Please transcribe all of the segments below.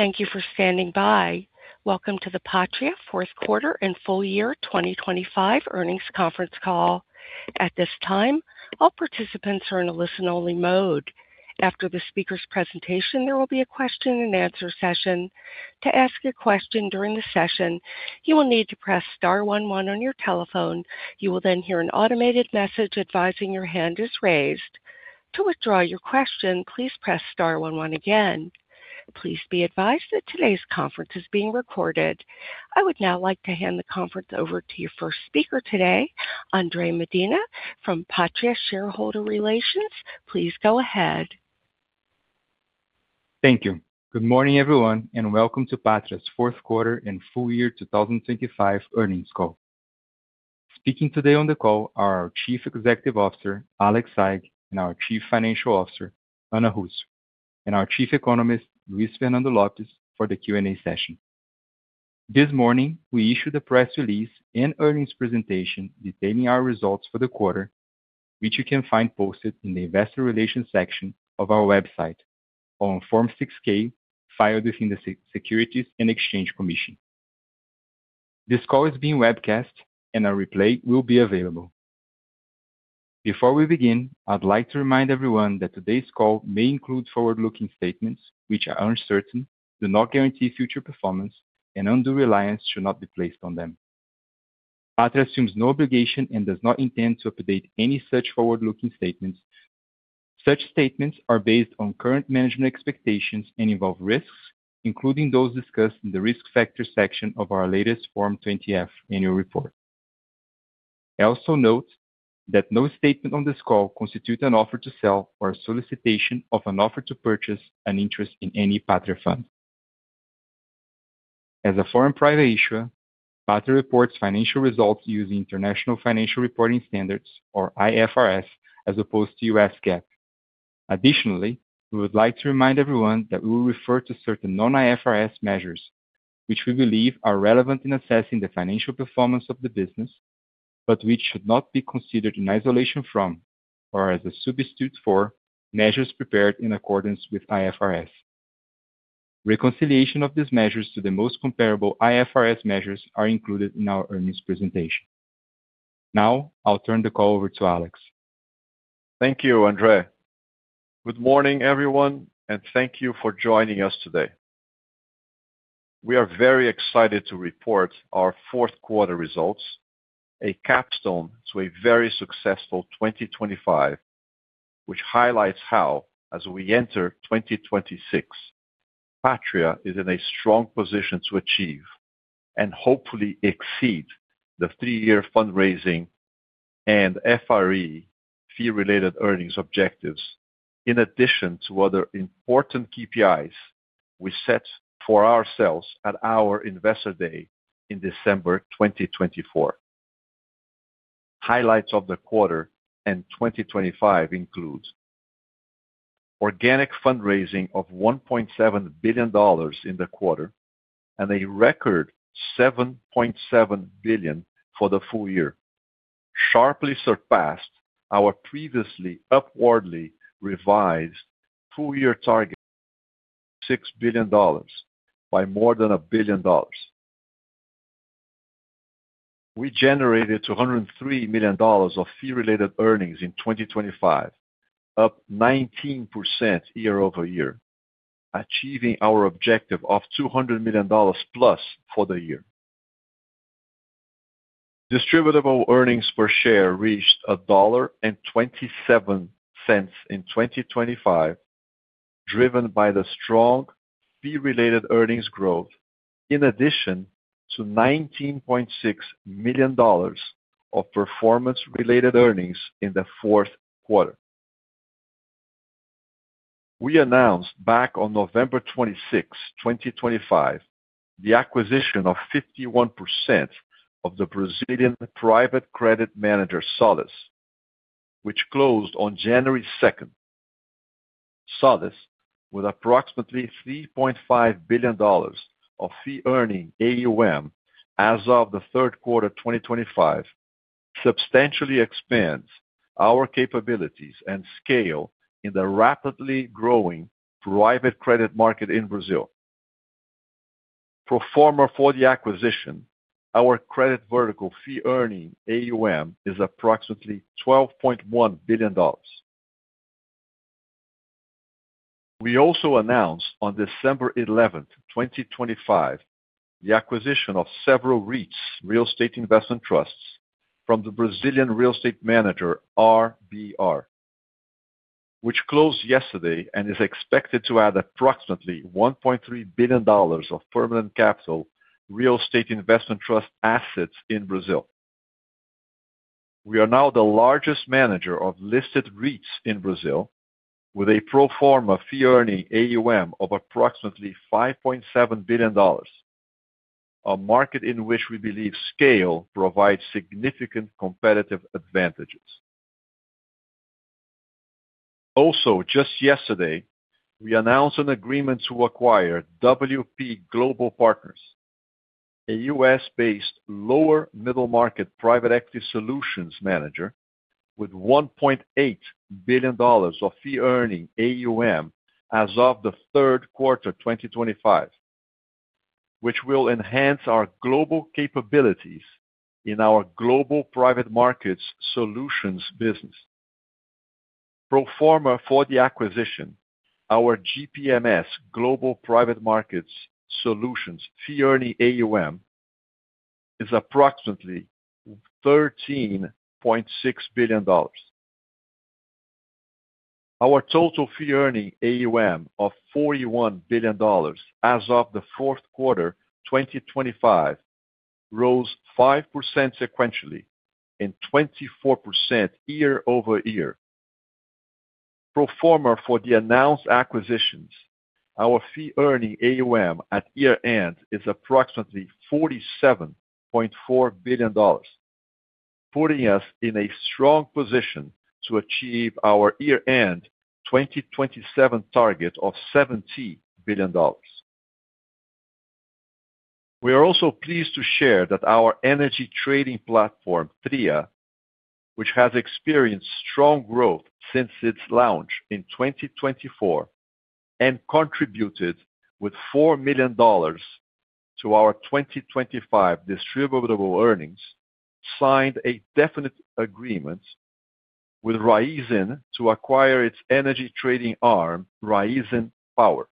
Thank you for standing by. Welcome to the Patria Fourth Quarter and Full-Year 2025 Earnings Conference Call. At this time, all participants are in a listen-only mode. After the speaker's presentation, there will be a question and answer session. To ask a question during the session, you will need to press star one one on your telephone. You will then hear an automated message advising your hand is raised. To withdraw your question, please press star one one again. Please be advised that today's conference is being recorded. I would now like to hand the conference over to your first speaker today, Andre Medina from Patria Shareholder Relations. Please go ahead. Thank you. Good morning, everyone, and welcome to Patria's fourth quarter and full-year 2025 earnings call. Speaking today on the call are our Chief Executive Officer, Alexandre Saigh, and our Chief Financial Officer, Ana Russo, and our Chief Economist, Luis Fernando Lopes, for the Q&A session. This morning, we issued a press release and earnings presentation detailing our results for the quarter, which you can find posted in the Investor Relations section of our website on Form 6-K, filed within the U.S. Securities and Exchange Commission. This call is being webcast and a replay will be available. Before we begin, I'd like to remind everyone that today's call may include forward-looking statements which are uncertain, do not guarantee future performance, and undue reliance should not be placed on them. Patria assumes no obligation and does not intend to update any such forward-looking statements. Such statements are based on current management expectations and involve risks, including those discussed in the Risk Factors section of our latest Form 20-F annual report. I also note that no statement on this call constitutes an offer to sell or a solicitation of an offer to purchase an interest in any Patria fund. As a foreign private issuer, Patria reports financial results using International Financial Reporting Standards or IFRS, as opposed to U.S. GAAP. Additionally, we would like to remind everyone that we will refer to certain non-IFRS measures, which we believe are relevant in assessing the financial performance of the business, but which should not be considered in isolation from or as a substitute for measures prepared in accordance with IFRS. Reconciliation of these measures to the most comparable IFRS measures are included in our earnings presentation. Now, I'll turn the call over to Alex. Thank you, Andre. Good morning, everyone, and thank you for joining us today. We are very excited to report our fourth quarter results, a capstone to a very successful 2025, which highlights how, as we enter 2026, Patria is in a strong position to achieve and hopefully exceed the three-year fundraising and FRE, fee related earnings objectives, in addition to other important KPIs we set for ourselves at our Investor Day in December 2024. Highlights of the quarter and 2025 includes organic fundraising of $1.7 billion in the quarter and a record $7.7 billion for the full-year, sharply surpassed our previously upwardly revised full-year target, $6 billion, by more than $1 billion. We generated $203 million of fee-related earnings in 2025, up 19% year-over-year, achieving our objective of $200+ million for the year. Distributable earnings per share reached $1.27 in 2025, driven by the strong fee-related earnings growth, in addition to $19.6 million of performance-related earnings in the fourth quarter. We announced back on November 26, 2025, the acquisition of 51% of the Brazilian private credit manager Solis, which closed on January second. Solis, with approximately $3.5 billion of fee earning AUM as of the third quarter 2025, substantially expands our capabilities and scale in the rapidly growing private credit market in Brazil. Pro forma for the acquisition, our credit vertical fee earning AUM is approximately $12.1 billion. We also announced on December 11, 2025, the acquisition of several REITs, real estate investment trusts, from the Brazilian real estate manager RBR, which closed yesterday and is expected to add approximately $1.3 billion of permanent capital real estate investment trust assets in Brazil. We are now the largest manager of listed REITs in Brazil, with a pro forma fee earning AUM of approximately $5.7 billion, a market in which we believe scale provides significant competitive advantages. Also, just yesterday, we announced an agreement to acquire WP Global Partners, a U.S.-based lower middle market private equity solutions manager, with $1.8 billion of fee earning AUM as of the third quarter 2025, which will enhance our global capabilities in our global private markets solutions business. Pro forma for the acquisition, our GPMS, Global Private Markets Solutions, fee earning AUM is approximately $13.6 billion. Our total fee earning AUM of $41 billion as of the fourth quarter 2025, rose 5% sequentially and 24% year-over-year. Pro forma for the announced acquisitions, our fee earning AUM at year-end is approximately $47.4 billion, putting us in a strong position to achieve our year-end 2027 target of $70 billion. We are also pleased to share that our energy trading platform, Tria, which has experienced strong growth since its launch in 2024 and contributed with $4 million to our 2025 distributable earnings, signed a definitive agreement with Raízen to acquire its energy trading arm, Raízen Power.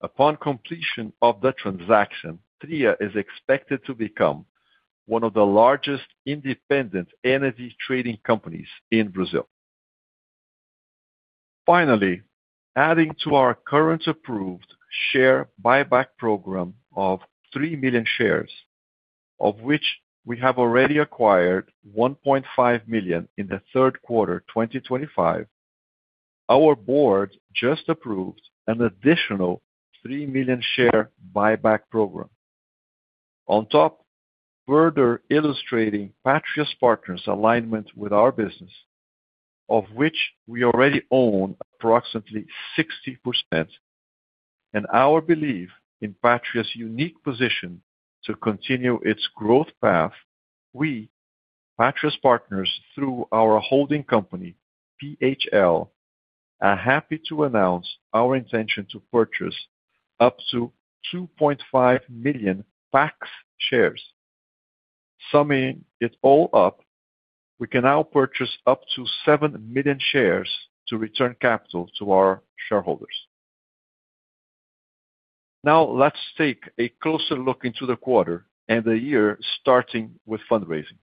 Upon completion of the transaction, Tria is expected to become one of the largest independent energy trading companies in Brazil. Finally, adding to our current approved share buyback program of 3 million shares, of which we have already acquired 1.5 million in the third quarter, 2025, our board just approved an additional 3 million share buyback program. On top, further illustrating Patria Partners alignment with our business, of which we already own approximately 60%, and our belief in Patria's unique position to continue its growth path, we, Patria Partners, through our holding company, PHL, are happy to announce our intention to purchase up to 2.5 million PAX shares. Summing it all up, we can now purchase up to 7 million shares to return capital to our shareholders. Now, let's take a closer look into the quarter and the year, starting with fundraising.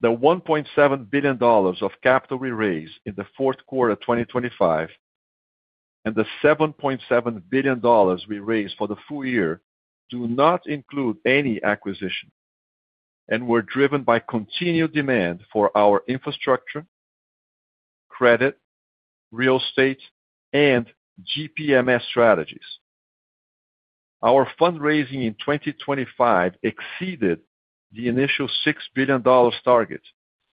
The $1.7 billion of capital we raised in the fourth quarter, 2025, and the $7.7 billion we raised for the full-year do not include any acquisition, and were driven by continued demand for our infrastructure, credit, real estate, and GPMS strategies. Our fundraising in 2025 exceeded the initial $6 billion target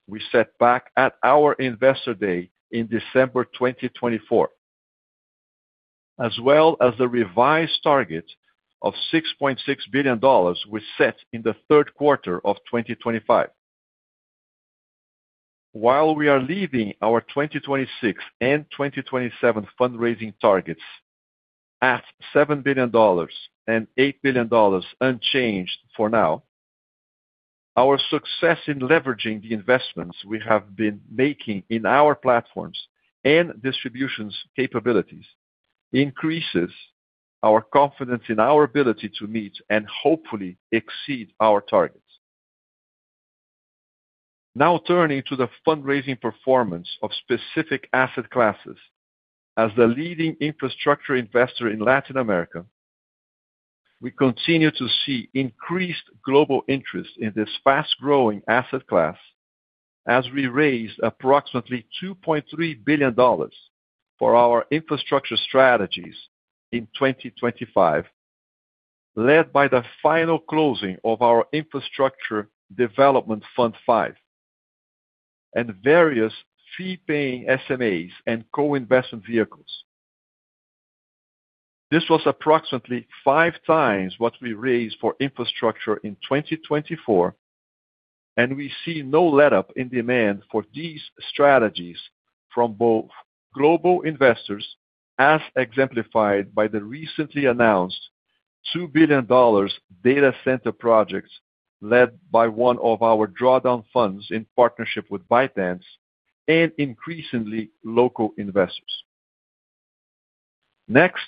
we set back at our Investor Day in December 2024, as well as the revised target of $6.6 billion we set in the third quarter of 2025. While we are leaving our 2026 and 2027 fundraising targets at $7 billion and $8 billion unchanged for now, our success in leveraging the investments we have been making in our platforms and distributions capabilities increases our confidence in our ability to meet and hopefully exceed our targets. Now, turning to the fundraising performance of specific asset classes. As the leading infrastructure investor in Latin America, we continue to see increased global interest in this fast-growing asset class as we raised approximately $2.3 billion for our infrastructure strategies in 2025, led by the final closing of our Infrastructure Development Fund V, and various fee-paying SMAs and co-investment vehicles. This was approximately 5 times what we raised for infrastructure in 2024, and we see no letup in demand for these strategies from both global investors, as exemplified by the recently announced $2 billion data center projects led by one of our drawdown funds in partnership with ByteDance and increasingly local investors. Next,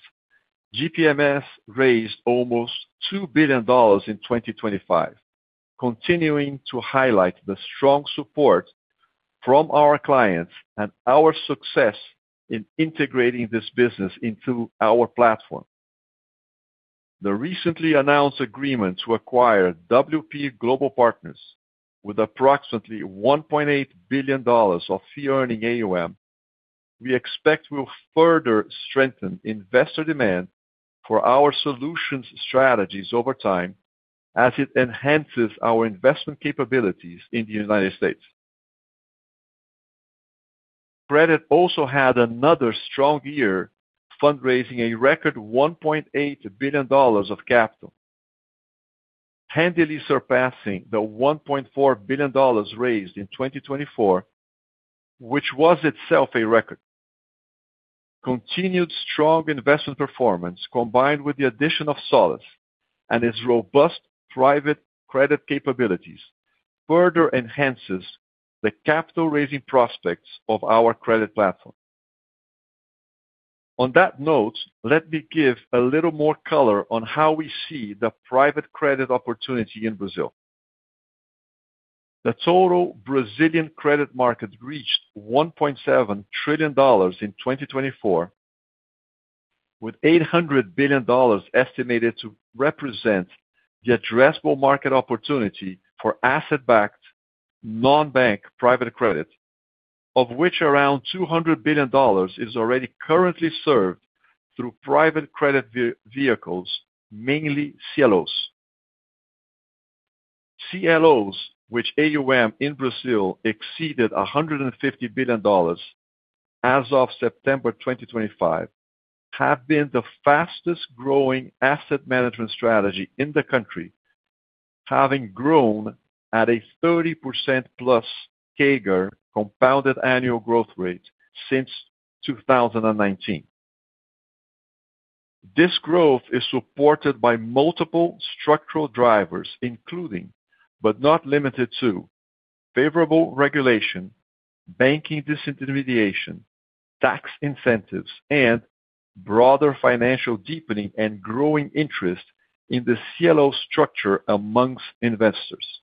GPMS raised almost $2 billion in 2025, continuing to highlight the strong support from our clients and our success in integrating this business into our platform. The recently announced agreement to acquire WP Global Partners with approximately $1.8 billion of fee earning AUM, we expect will further strengthen investor demand for our solutions strategies over time as it enhances our investment capabilities in the United States. Credit also had another strong year, fundraising a record $1.8 billion of capital, handily surpassing the $1.4 billion raised in 2024, which was itself a record. Continued strong investment performance, combined with the addition of Solis and its robust private credit capabilities, further enhances the capital raising prospects of our credit platform. On that note, let me give a little more color on how we see the private credit opportunity in Brazil. The total Brazilian credit market reached $1.7 trillion in 2024, with $800 billion estimated to represent the addressable market opportunity for asset-backed, non-bank private credit, of which around $200 billion is already currently served through private credit vehicles, mainly CLOs. CLOs, which AUM in Brazil exceeded $150 billion as of September 2025, have been the fastest growing asset management strategy in the country, having grown at a 30%+ CAGR, compounded annual growth rate, since 2019. This growth is supported by multiple structural drivers, including, but not limited to, favorable regulation, banking disintermediation, tax incentives, and broader financial deepening and growing interest in the CLO structure amongst investors.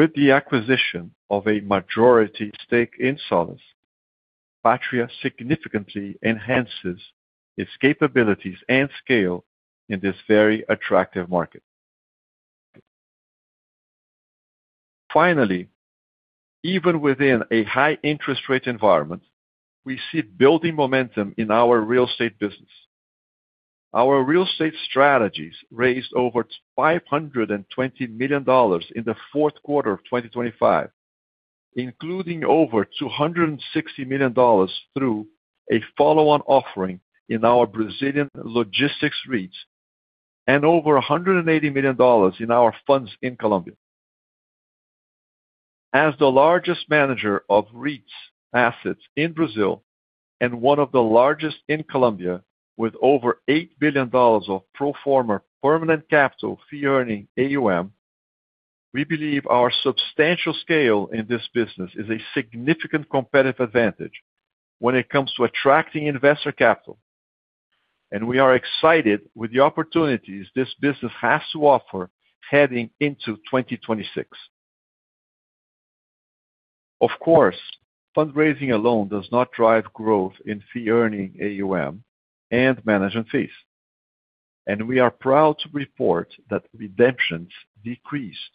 With the acquisition of a majority stake in Solis, Patria significantly enhances its capabilities and scale in this very attractive market. Finally, even within a high interest rate environment, we see building momentum in our real estate business. Our real estate strategies raised over $520 million in the fourth quarter of 2025, including over $260 million through a follow-on offering in our Brazilian logistics REITs, and over $180 million in our funds in Colombia. As the largest manager of REITs assets in Brazil, and one of the largest in Colombia, with over $8 billion of pro forma permanent capital fee earning AUM, we believe our substantial scale in this business is a significant competitive advantage when it comes to attracting investor capital, and we are excited with the opportunities this business has to offer heading into 2026. Of course, fundraising alone does not drive growth in fee-earning AUM and management fees, and we are proud to report that redemptions decreased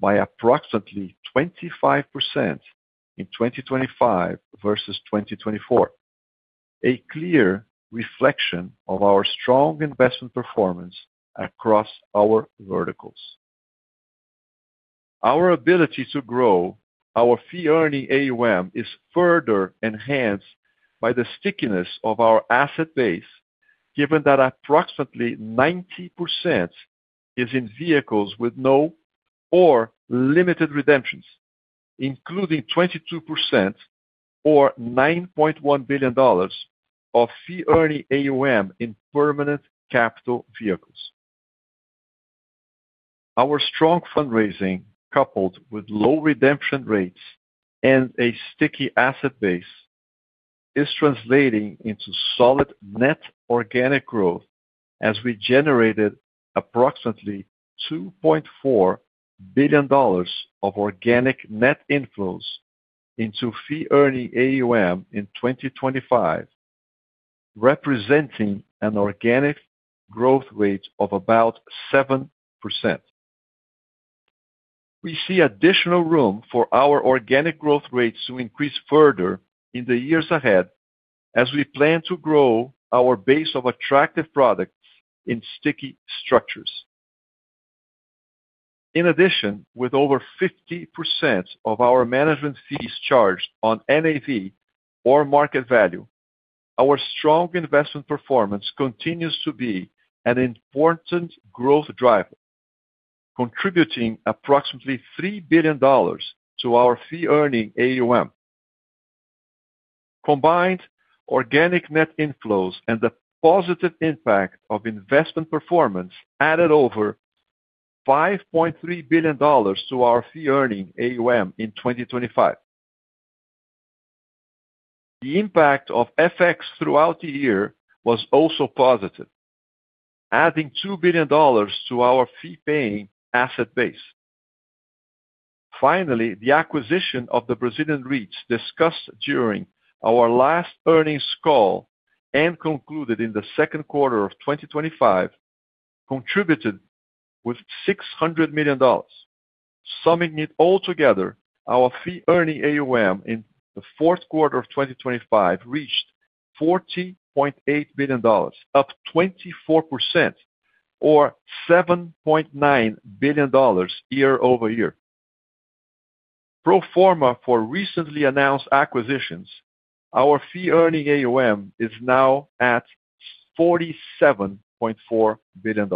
by approximately 25% in 2025 versus 2024, a clear reflection of our strong investment performance across our verticals. Our ability to grow our fee-earning AUM is further enhanced by the stickiness of our asset base, given that approximately 90% is in vehicles with no or limited redemptions, including 22% or $9.1 billion of fee-earning AUM in permanent capital vehicles. Our strong fundraising, coupled with low redemption rates and a sticky asset base, is translating into solid net organic growth as we generated approximately $2.4 billion of organic net inflows into fee-earning AUM in 2025, representing an organic growth rate of about 7%. We see additional room for our organic growth rates to increase further in the years ahead, as we plan to grow our base of attractive products in sticky structures. In addition, with over 50% of our management fees charged on NAV or market value, our strong investment performance continues to be an important growth driver, contributing approximately $3 billion to our fee-earning AUM. Combined organic net inflows and the positive impact of investment performance added over $5.3 billion to our fee earning AUM in 2025. The impact of FX throughout the year was also positive, adding $2 billion to our fee-paying asset base. Finally, the acquisition of the Brazilian REITs discussed during our last earnings call and concluded in the second quarter of 2025, contributed with $600 million. Summing it all together, our fee-earning AUM in the fourth quarter of 2025 reached $40.8 billion, up 24% or $7.9 billion year-over-year. Pro forma for recently announced acquisitions, our fee earning AUM is now at $47.4 billion.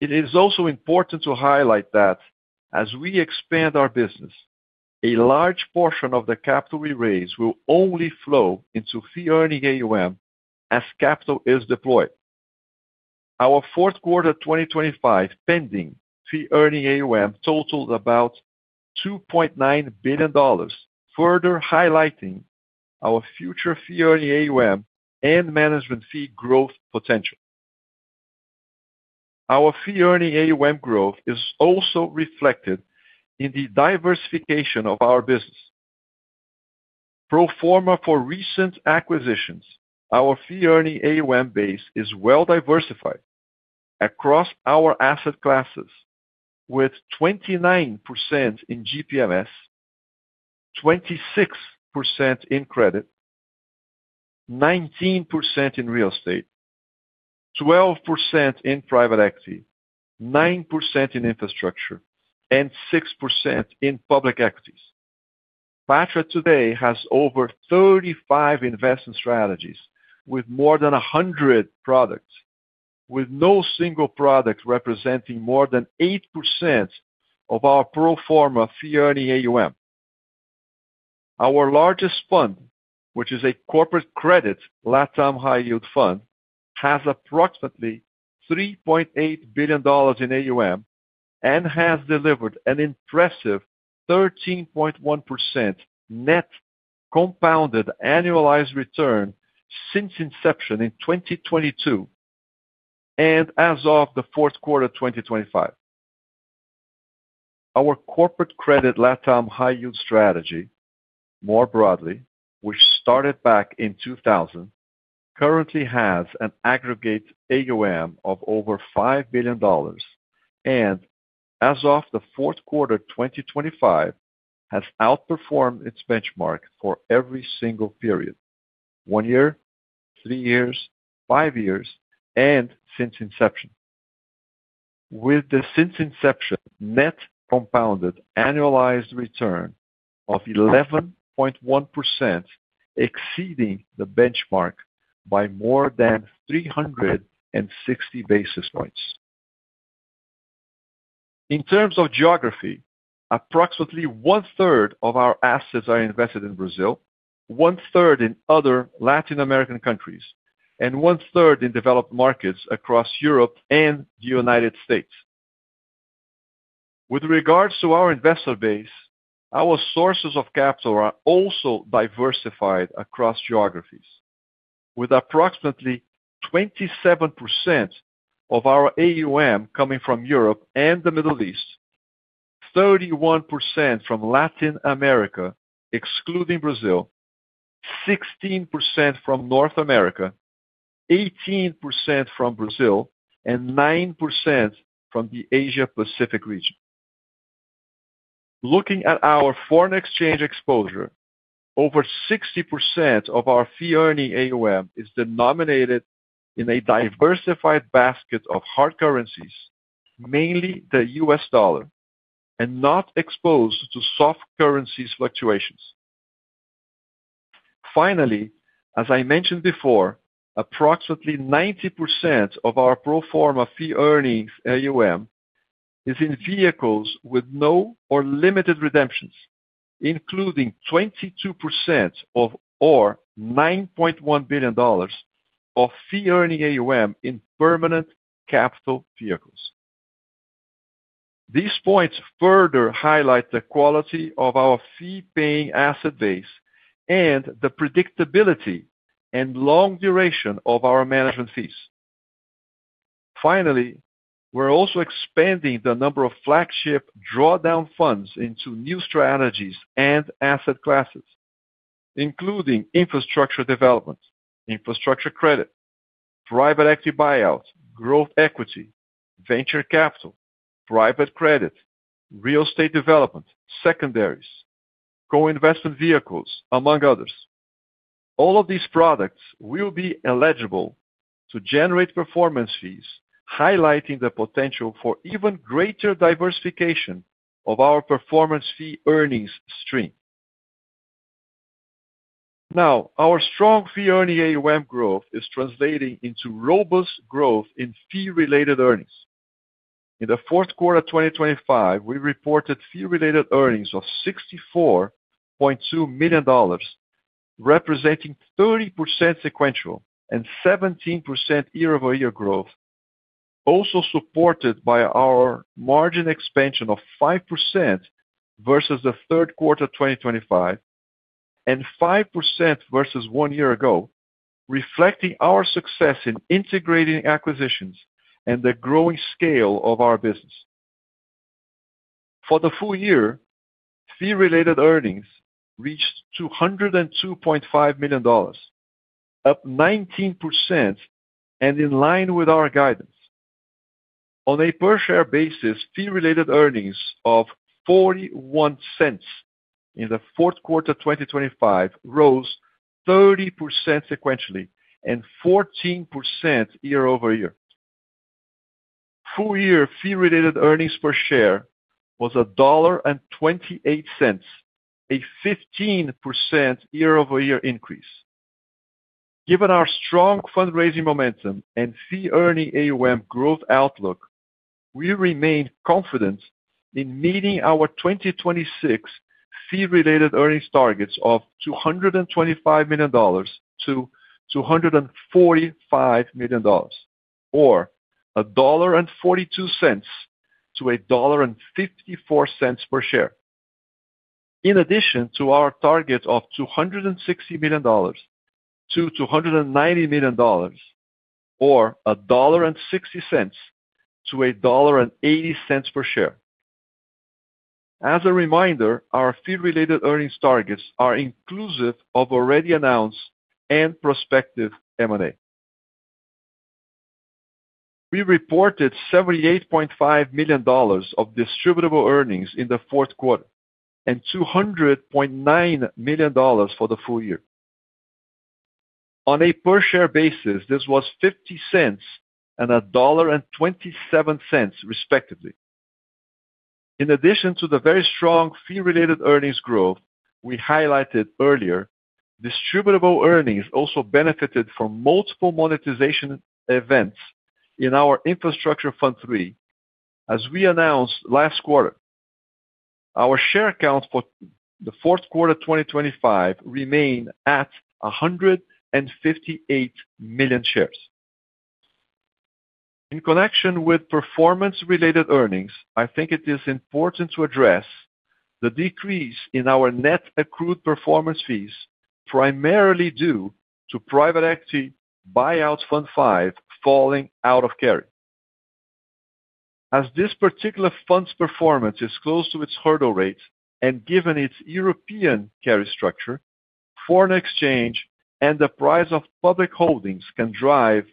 It is also important to highlight that as we expand our business, a large portion of the capital we raise will only flow into fee earning AUM as capital is deployed. Our fourth quarter 2025 pending fee earning AUM totaled about $2.9 billion, further highlighting our future fee earning AUM and management fee growth potential. Our fee earning AUM growth is also reflected in the diversification of our business. Pro forma for recent acquisitions, our Fee Earning AUM base is well diversified across our asset classes, with 29% in GPMS, 26% in credit, 19% in real estate, 12% in private equity, 9% in infrastructure, and 6% in public equities. Patria today has over 35 investment strategies with more than 100 products, with no single product representing more than 8% of our pro forma Fee Earning AUM. Our largest fund, which is a Corporate Credit LatAm High Yield Fund, has approximately $3.8 billion in AUM and has delivered an impressive 13.1% net compounded annualized return since inception in 2022, and as of the fourth quarter 2025. Our corporate credit LatAm high yield strategy, more broadly, which started back in 2000, currently has an aggregate AUM of over $5 billion, and as of the fourth quarter 2025, has outperformed its benchmark for every single period: one year, three years, five years, and since inception. With the since inception net compounded annualized return of 11.1%, exceeding the benchmark by more than 360 basis points. In terms of geography, approximately one-third of our assets are invested in Brazil, one-third in other Latin American countries, and one-third in developed markets across Europe and the United States. With regards to our investor base, our sources of capital are also diversified across geographies, with approximately 27% of our AUM coming from Europe and the Middle East, 31% from Latin America, excluding Brazil, 16% from North America, 18% from Brazil, and 9% from the Asia Pacific region. Looking at our foreign exchange exposure, over 60% of our fee earning AUM is denominated in a diversified basket of hard currencies, mainly the U.S. dollar, and not exposed to soft currencies fluctuations. Finally, as I mentioned before, approximately 90% of our pro forma fee earnings AUM is in vehicles with no or limited redemptions, including 22% of, or $9.1 billion of fee earning AUM in permanent capital vehicles. These points further highlight the quality of our fee-paying asset base and the predictability and long duration of our management fees. Finally, we're also expanding the number of flagship drawdown funds into new strategies and asset classes, including infrastructure development, infrastructure credit, private equity buyout, growth equity, venture capital, private credit, real estate development, secondaries, co-investment vehicles, among others. All of these products will be eligible to generate performance fees, highlighting the potential for even greater diversification of our performance fee earnings stream. Now, our strong fee earning AUM growth is translating into robust growth in fee-related earnings. In the fourth quarter of 2025, we reported fee-related earnings of $64.2 million, representing 30% sequential and 17% year-over-year growth, also supported by our margin expansion of 5% versus the third quarter of 2025, and 5% versus one year ago, reflecting our success in integrating acquisitions and the growing scale of our business. For the full-year, fee-related earnings reached $202.5 million, up 19% and in line with our guidance. On a per share basis, fee-related earnings of $0.41 in the fourth quarter 2025 rose 30% sequentially and 14% year-over-year. full-year fee-related earnings per share was $1.28, a 15% year-over-year increase. Given our strong fundraising momentum and fee earning AUM growth outlook, we remain confident in meeting our 2026 fee-related earnings targets of $225 million-$245 million, or $1.42-$1.54 per share. In addition to our target of $260 million-$290 million, or $1.60-$1.80 per share. As a reminder, our fee-related earnings targets are inclusive of already announced and prospective M&A. We reported $78.5 million of distributable earnings in the fourth quarter, and $200.9 million for the full-year. On a per share basis, this was $0.50 and $1.27, respectively. In addition to the very strong fee-related earnings growth we highlighted earlier, distributable earnings also benefited from multiple monetization events in our Infrastructure Fund III, as we announced last quarter. Our share count for the fourth quarter 2025 remains at 158 million shares. In connection with performance-related earnings, I think it is important to address the decrease in our net accrued performance fees, primarily due to Private Equity Buyout Fund V falling out of carry. As this particular fund's performance is close to its hurdle rate, and given its European carry structure, foreign exchange and the price of public holdings can drive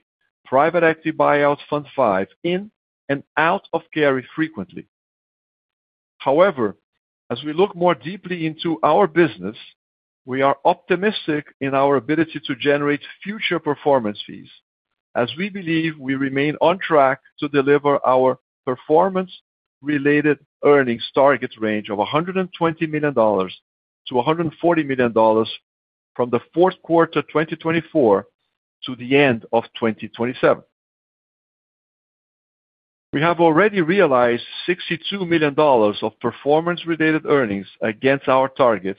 Private Equity Buyout Fund V in and out of carry frequently. However, as we look more deeply into our business, we are optimistic in our ability to generate future performance fees, as we believe we remain on track to deliver our performance-related earnings target range of $120 million-$140 million from the fourth quarter 2024 to the end of 2027. We have already realized $62 million of performance-related earnings against our target.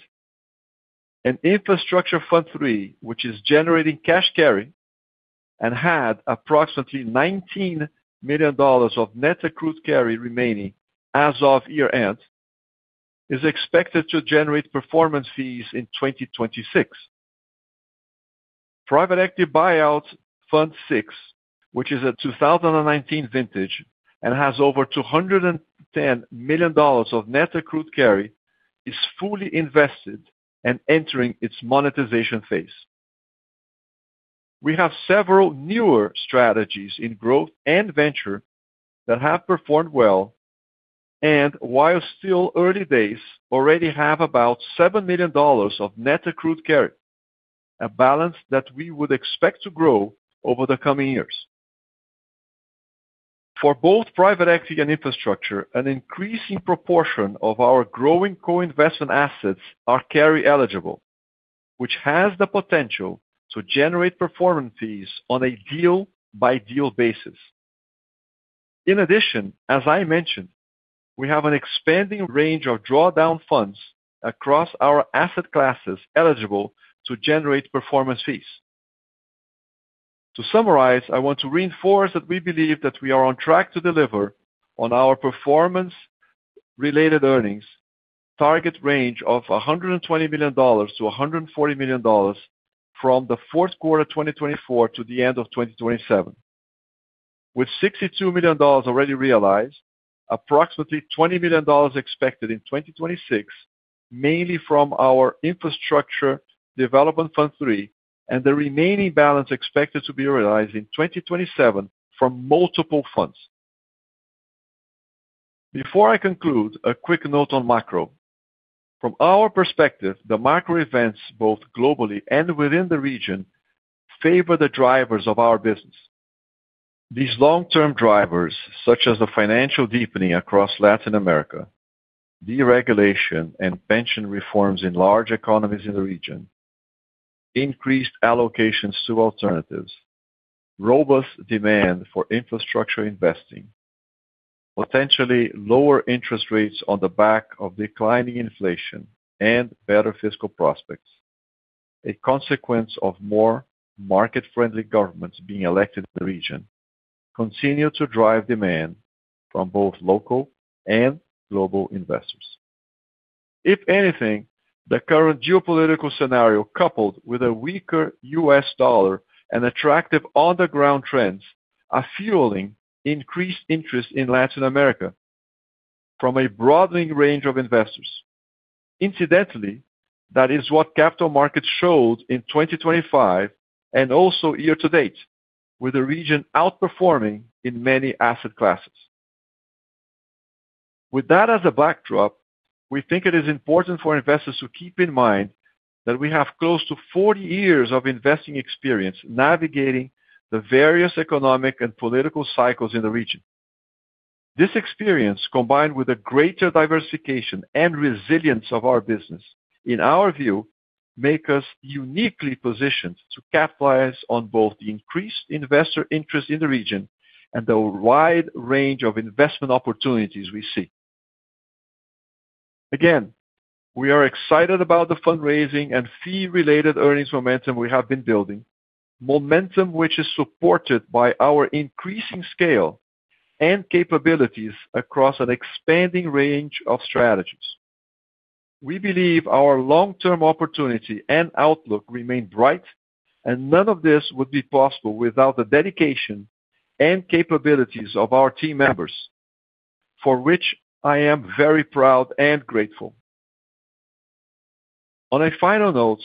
Infrastructure Fund III, which is generating cash carry and had approximately $19 million of net accrued carry remaining as of year-end, is expected to generate performance fees in 2026. Private Equity Buyout Fund VI, which is a 2019 vintage and has over $210 million of net accrued carry, is fully invested and entering its monetization phase. We have several newer strategies in growth and venture that have performed well, and while still early days, already have about $7 million of net accrued carry, a balance that we would expect to grow over the coming years. For both private equity and infrastructure, an increasing proportion of our growing co-investment assets are carry eligible, which has the potential to generate performance fees on a deal-by-deal basis. In addition, as I mentioned, we have an expanding range of drawdown funds across our asset classes eligible to generate performance fees. To summarize, I want to reinforce that we believe that we are on track to deliver on our performance-related earnings target range of $120 million-$140 million from the fourth quarter 2024 to the end of 2027. With $62 million already realized, approximately $20 million expected in 2026, mainly from our Infrastructure Development Fund III, and the remaining balance expected to be realized in 2027 from multiple funds. Before I conclude, a quick note on macro. From our perspective, the macro events, both globally and within the region, favor the drivers of our business. These long-term drivers, such as the financial deepening across Latin America, deregulation and pension reforms in large economies in the region, increased allocations to alternatives, robust demand for infrastructure investing, potentially lower interest rates on the back of declining inflation and better fiscal prospects. A consequence of more market-friendly governments being elected in the region continue to drive demand from both local and global investors. If anything, the current geopolitical scenario, coupled with a weaker U.S. dollar and attractive on-the-ground trends, are fueling increased interest in Latin America.... from a broadening range of investors. Incidentally, that is what capital markets showed in 2025 and also year to date, with the region outperforming in many asset classes. With that as a backdrop, we think it is important for investors to keep in mind that we have close to 40 years of investing experience, navigating the various economic and political cycles in the region. This experience, combined with a greater diversification and resilience of our business, in our view, make us uniquely positioned to capitalize on both the increased investor interest in the region and the wide range of investment opportunities we see. Again, we are excited about the fundraising and fee-related earnings momentum we have been building. Momentum, which is supported by our increasing scale and capabilities across an expanding range of strategies. We believe our long-term opportunity and outlook remain bright, and none of this would be possible without the dedication and capabilities of our team members, for which I am very proud and grateful. On a final note,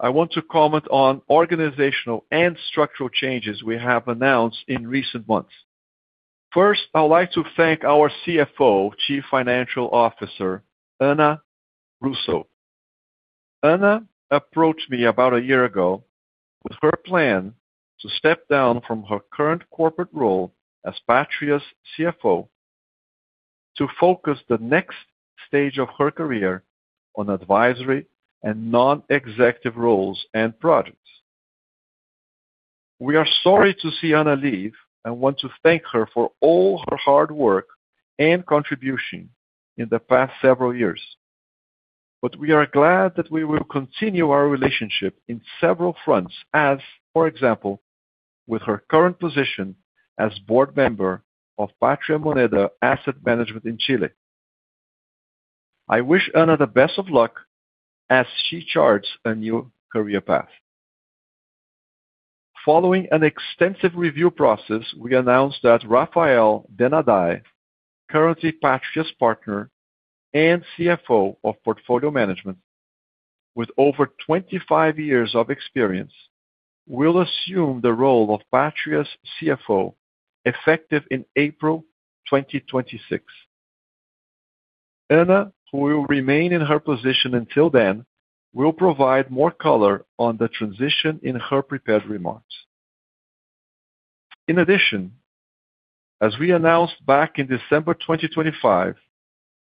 I want to comment on organizational and structural changes we have announced in recent months. First, I would like to thank our CFO, Chief Financial Officer, Ana Russo. Ana approached me about a year ago with her plan to step down from her current corporate role as Patria's CFO, to focus the next stage of her career on advisory and non-executive roles and projects. We are sorry to see Ana leave, and want to thank her for all her hard work and contribution in the past several years. But we are glad that we will continue our relationship in several fronts, as, for example, with her current position as board member of Patria Moneda Asset Management in Chile. I wish Ana the best of luck as she charts a new career path. Following an extensive review process, we announced that Rafael Denadai, currently Patria's partner and CFO of portfolio management, with over 25 years of experience, will assume the role of Patria's CFO, effective in April 2026. Ana, who will remain in her position until then, will provide more color on the transition in her prepared remarks. In addition, as we announced back in December 2025,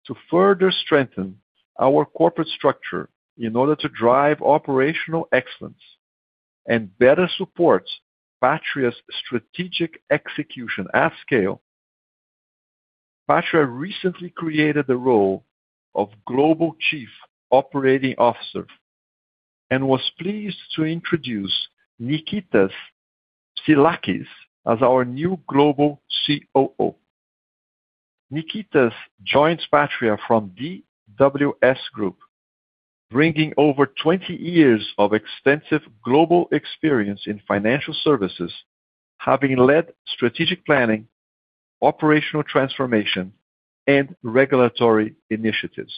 to further strengthen our corporate structure in order to drive operational excellence and better support Patria's strategic execution at scale, Patria recently created the role of Global Chief Operating Officer, and was pleased to introduce Nikitas Tsilakis as our new global COO. Nikitas joins Patria from DWS Group, bringing over 20 years of extensive global experience in financial services, having led strategic planning, operational transformation, and regulatory initiatives.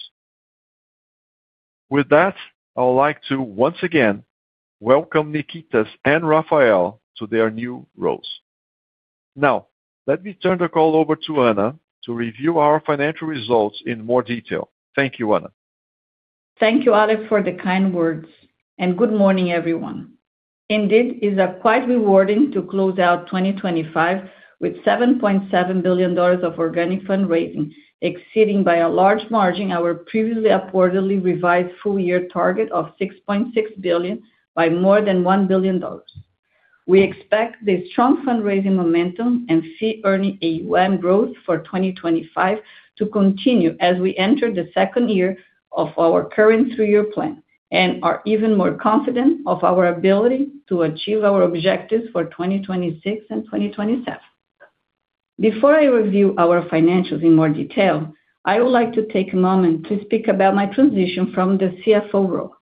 With that, I would like to once again welcome Nikitas and Rafael to their new roles. Now, let me turn the call over to Ana to review our financial results in more detail. Thank you, Ana. Thank you, Alex, for the kind words, and good morning, everyone. Indeed, it's quite rewarding to close out 2025 with $7.7 billion of organic fundraising, exceeding by a large margin our previously upwardly revised full-year target of $6.6 billion by more than $1 billion. We expect the strong fundraising momentum and fee earning AUM growth for 2025 to continue as we enter the second year of our current three-year plan, and are even more confident of our ability to achieve our objectives for 2026 and 2027. Before I review our financials in more detail, I would like to take a moment to speak about my transition from the CFO role.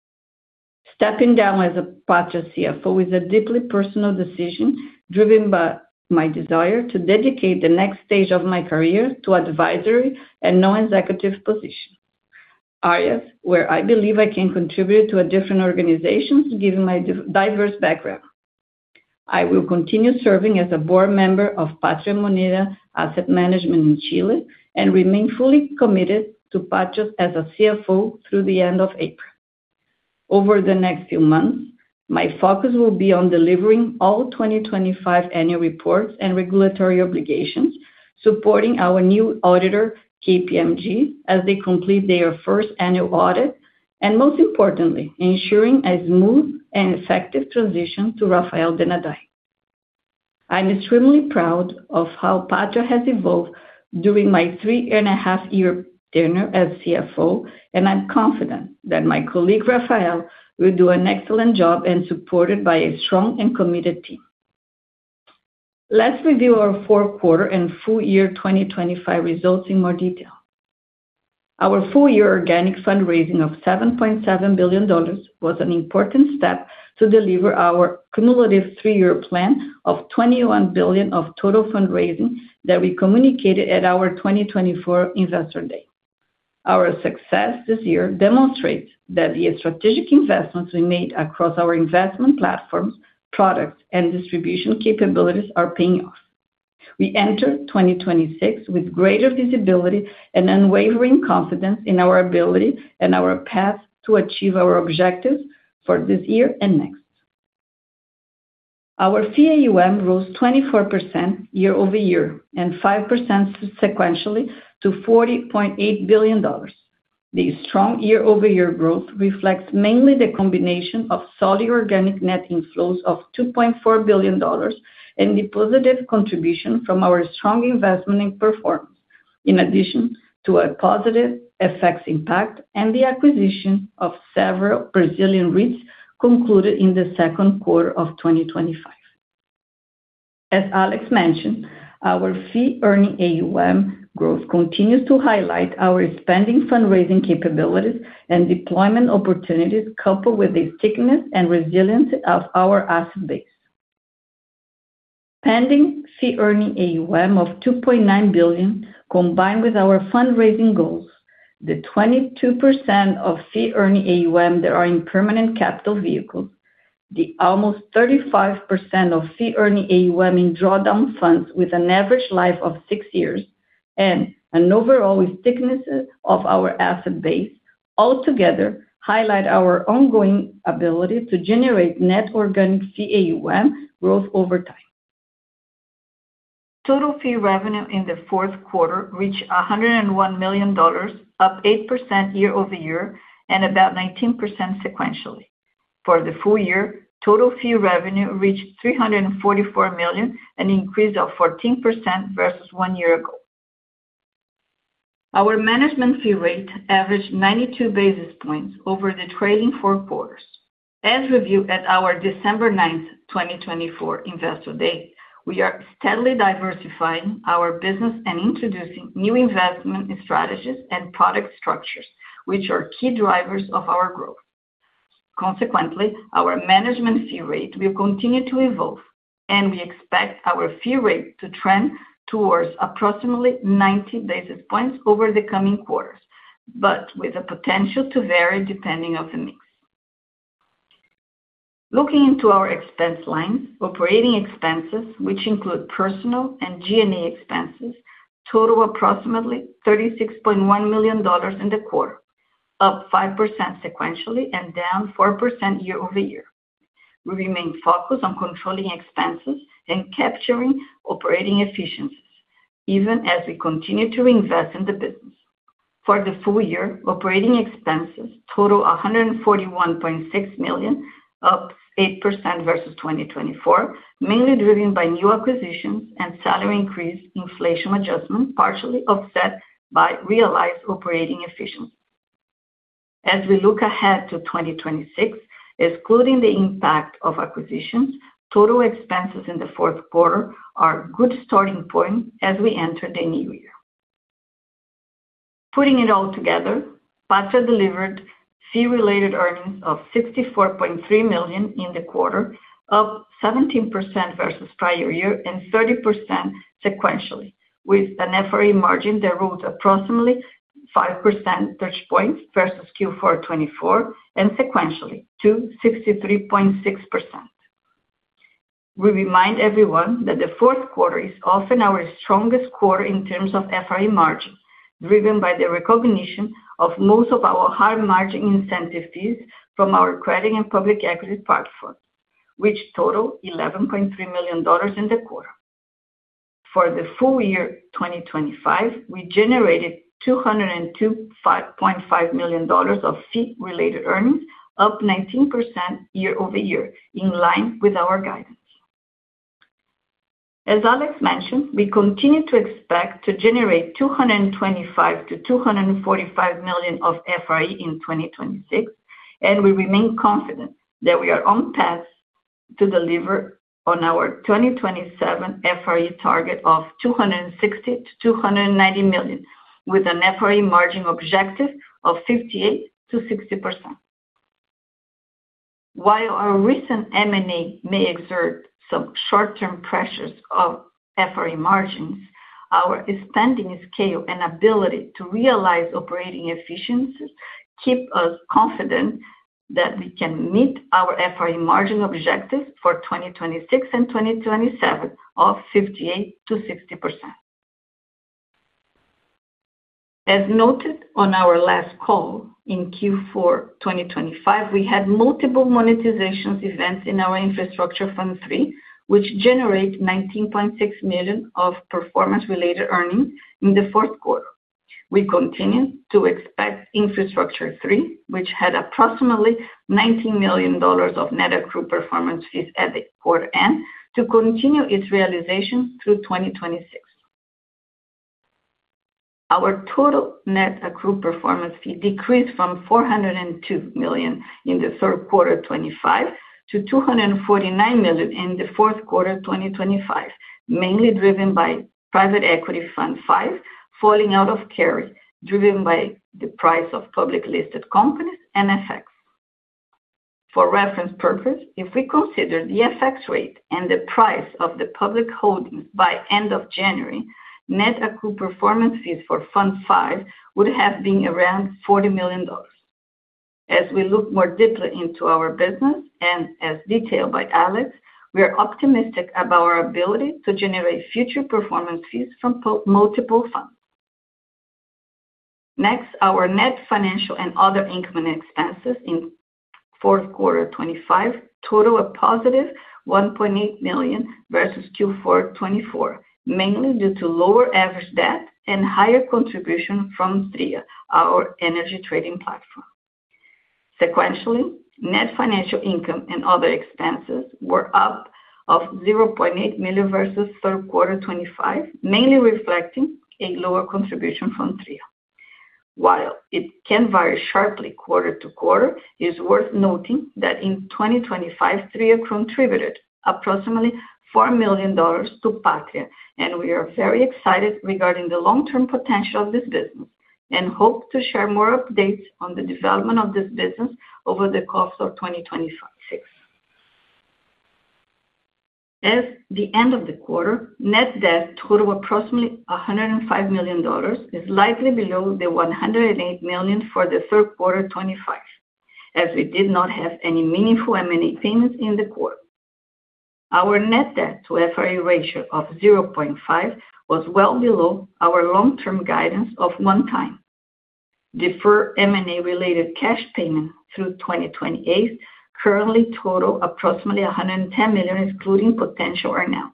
Stepping down as a Patria CFO is a deeply personal decision, driven by my desire to dedicate the next stage of my career to advisory and non-executive position, areas where I believe I can contribute to a different organization, given my diverse background. I will continue serving as a board member of Patria Moneda Asset Management in Chile, and remain fully committed to Patria as a CFO through the end of April. Over the next few months, my focus will be on delivering all 2025 annual reports and regulatory obligations, supporting our new auditor, KPMG, as they complete their first annual audit, and most importantly, ensuring a smooth and effective transition to Rafael Denadai. I'm extremely proud of how Patria has evolved during my three-and-a-half-year tenure as CFO, and I'm confident that my colleague, Rafael, will do an excellent job and supported by a strong and committed team. Let's review our fourth quarter and full-year 2025 results in more detail. Our full-year organic fundraising of $7.7 billion was an important step to deliver our cumulative three-year plan of $21 billion of total fundraising that we communicated at our 2024 Investor Day. Our success this year demonstrates that the strategic investments we made across our investment platforms, products, and distribution capabilities are paying off. We enter 2026 with greater visibility and unwavering confidence in our ability and our path to achieve our objectives for this year and next. Our fee AUM rose 24% year-over-year, and 5% sequentially to $40.8 billion. The strong year-over-year growth reflects mainly the combination of solid organic net inflows of $2.4 billion, and the positive contribution from our strong investment in performance, in addition to a positive effects impact and the acquisition of several Brazilian REITs concluded in the second quarter of 2025. As Alex mentioned, our fee-earning AUM growth continues to highlight our expanding fundraising capabilities and deployment opportunities, coupled with the thickness and resilience of our asset base. Pending fee-earning AUM of $2.9 billion, combined with our fundraising goals, the 22% of fee-earning AUM that are in permanent capital vehicles, the almost 35% of fee-earning AUM in drawdown funds with an average life of six years, and an overall thickness of our asset base, altogether highlight our ongoing ability to generate net organic fee AUM growth over time. Total fee revenue in the fourth quarter reached $101 million, up 8% year-over-year, and about 19% sequentially. For the full-year, total fee revenue reached $344 million, an increase of 14% versus one year ago. Our management fee rate averaged 92 basis points over the trailing four quarters. As reviewed at our December 9, 2024 Investor Day, we are steadily diversifying our business and introducing new investment strategies and product structures, which are key drivers of our growth. Consequently, our management fee rate will continue to evolve, and we expect our fee rate to trend towards approximately 90 basis points over the coming quarters, but with the potential to vary depending on the mix. Looking into our expense line, operating expenses, which include personal and G&A expenses, total approximately $36.1 million in the quarter, up 5% sequentially and down 4% year-over-year. We remain focused on controlling expenses and capturing operating efficiencies, even as we continue to invest in the business. For the full-year, operating expenses total $141.6 million, up 8% versus 2024, mainly driven by new acquisitions and salary increase inflation adjustment, partially offset by realized operating efficiency. As we look ahead to 2026, excluding the impact of acquisitions, total expenses in the fourth quarter are a good starting point as we enter the new year. Putting it all together, Patria delivered fee-related earnings of $64.3 million in the quarter, up 17% versus prior year and 30% sequentially, with an FRE margin that rose approximately five percentage points versus Q4 2024, and sequentially to 63.6%. We remind everyone that the fourth quarter is often our strongest quarter in terms of FRE margin, driven by the recognition of most of our high-margin incentive fees from our credit and public equity platform, which total $11.3 million in the quarter. For the full-year 2025, we generated $202.5 million of fee-related earnings, up 19% year-over-year, in line with our guidance. As Alex mentioned, we continue to expect to generate $225 million-$245 million of FRE in 2026, and we remain confident that we are on path to deliver on our 2027 FRE target of $260 million-$290 million, with an FRE margin objective of 58%-60%. While our recent M&A may exert some short-term pressures of FRE margins, our expanding scale and ability to realize operating efficiencies keep us confident that we can meet our FRE margin objectives for 2026 and 2027 of 58%-60%. As noted on our last call, in Q4 2025, we had multiple monetization events in our Infrastructure Fund III, which generate $19.6 million of performance-related earnings in the fourth quarter. We continue to expect Infrastructure III, which had approximately $19 million of net accrued performance fees at the quarter end, to continue its realization through 2026. Our total net accrued performance fee decreased from $402 million in the third quarter of 2025 to $249 million in the fourth quarter of 2025, mainly driven by private equity Fund V falling out of carry, driven by the price of public listed companies and FX. For reference purpose, if we consider the FX rate and the price of the public holdings by end of January, net accrued performance fees for Fund V would have been around $40 million. As we look more deeply into our business, and as detailed by Alex, we are optimistic about our ability to generate future performance fees from multiple funds. Next, our net financial and other income and expenses in fourth quarter 2025 totaled a positive $1.8 million versus Q4 2024, mainly due to lower average debt and higher contribution from Tria, our energy trading platform. Sequentially, net financial income and other expenses were up of $0.8 million versus third quarter 2025, mainly reflecting a lower contribution from Tria. While it can vary sharply quarter to quarter, it's worth noting that in 2025, Tria contributed approximately $4 million to Patria, and we are very excited regarding the long-term potential of this business, and hope to share more updates on the development of this business over the course of 2026. As of the end of the quarter, net debt totaled approximately $105 million, slightly below the $108 million for the third quarter 2025, as we did not have any meaningful M&A payments in the quarter. Our net debt to FRE ratio of 0.5 was well below our long-term guidance of 1x. Deferred M&A-related cash payments through 2028 currently total approximately $110 million, excluding potential earn-out.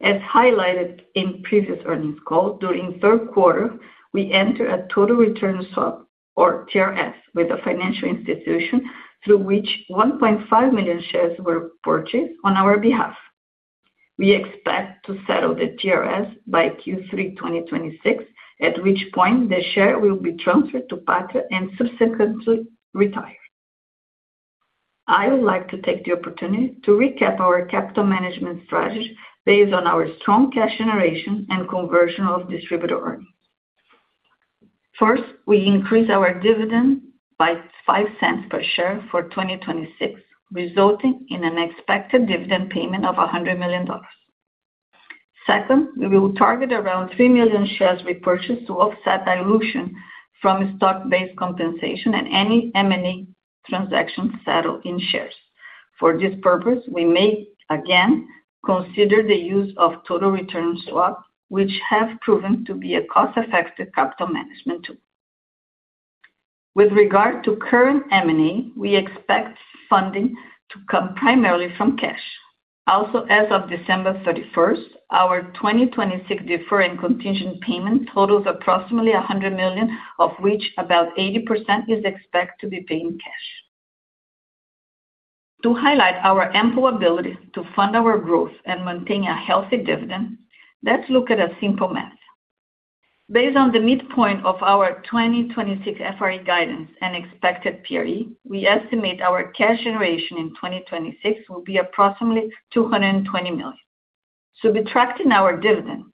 As highlighted in previous earnings calls, during third quarter, we entered a total return swap, or TRS, with a financial institution, through which 1.5 million shares were purchased on our behalf. We expect to settle the TRS by Q3 2026, at which point the share will be transferred to Patria and subsequently retired. I would like to take the opportunity to recap our capital management strategy based on our strong cash generation and conversion of distributable earnings. First, we increased our dividend by $0.05 per share for 2026, resulting in an expected dividend payment of $100 million. Second, we will target around 3 million shares repurchased to offset dilution from stock-based compensation and any M&A transactions settled in shares. For this purpose, we may, again, consider the use of Total Return Swaps, which have proven to be a cost-effective capital management tool. With regard to current M&A, we expect funding to come primarily from cash. Also, as of December thirty-first, our 2026 deferred contingent payment totals approximately $100 million, of which about 80% is expected to be paid in cash. To highlight our ample ability to fund our growth and maintain a healthy dividend, let's look at a simple math. Based on the midpoint of our 2026 FRE guidance and expected PRE, we estimate our cash generation in 2026 will be approximately $220 million. So subtracting our dividend,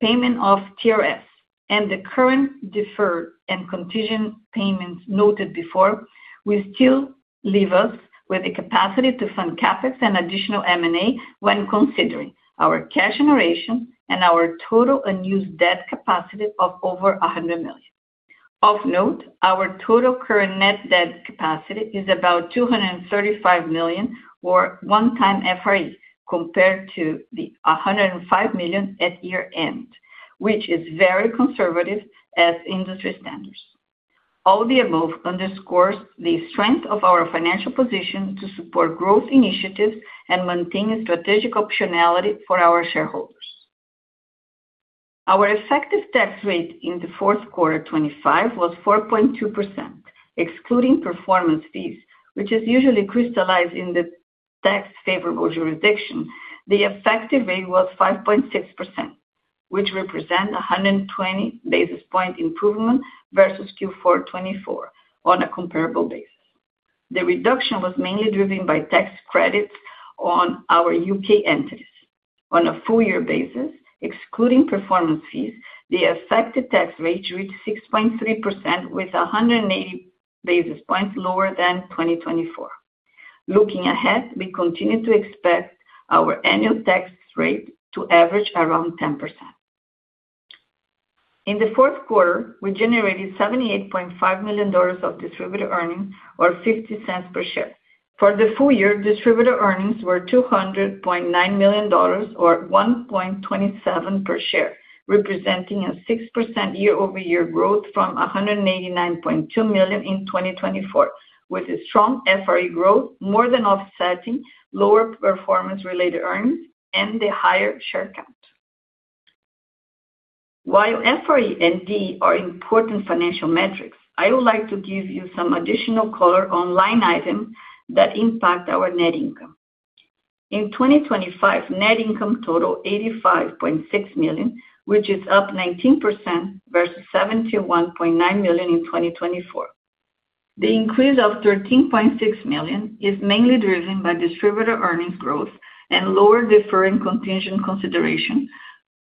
payment of TRS, and the current deferred and contingent payments noted before, will still leave us with the capacity to fund CapEx and additional M&A when considering our cash generation and our total unused debt capacity of over $100 million. Of note, our total current net debt capacity is about $235 million, or 1x FRE, compared to the $105 million at year-end, which is very conservative as industry standards. All the above underscores the strength of our financial position to support growth initiatives and maintain strategic optionality for our shareholders. Our effective tax rate in the fourth quarter 2025 was 4.2%, excluding performance fees, which is usually crystallized in the tax favorable jurisdiction. The effective rate was 5.6%, which represent a 120 basis point improvement versus Q4 2024 on a comparable basis. The reduction was mainly driven by tax credits on our U.K. entities. On a full-year basis, excluding performance fees, the effective tax rate reached 6.3%, with a 180 basis points lower than 2024. Looking ahead, we continue to expect our annual tax rate to average around 10%. In the fourth quarter, we generated $78.5 million of distributable earnings, or $0.50 per share. For the full-year, Distributable Earnings were $200.9 million, or $1.27 per share, representing 6% year-over-year growth from $189.2 million in 2024, with a strong FRE growth more than offsetting lower performance-related earnings and the higher share count. While FRE and DE are important financial metrics, I would like to give you some additional color on line items that impact our net income. In 2025, net income totaled $85.6 million, which is up 19% versus $71.9 million in 2024. The increase of $13.6 million is mainly driven by Distributable Earnings growth and lower deferred contingent consideration,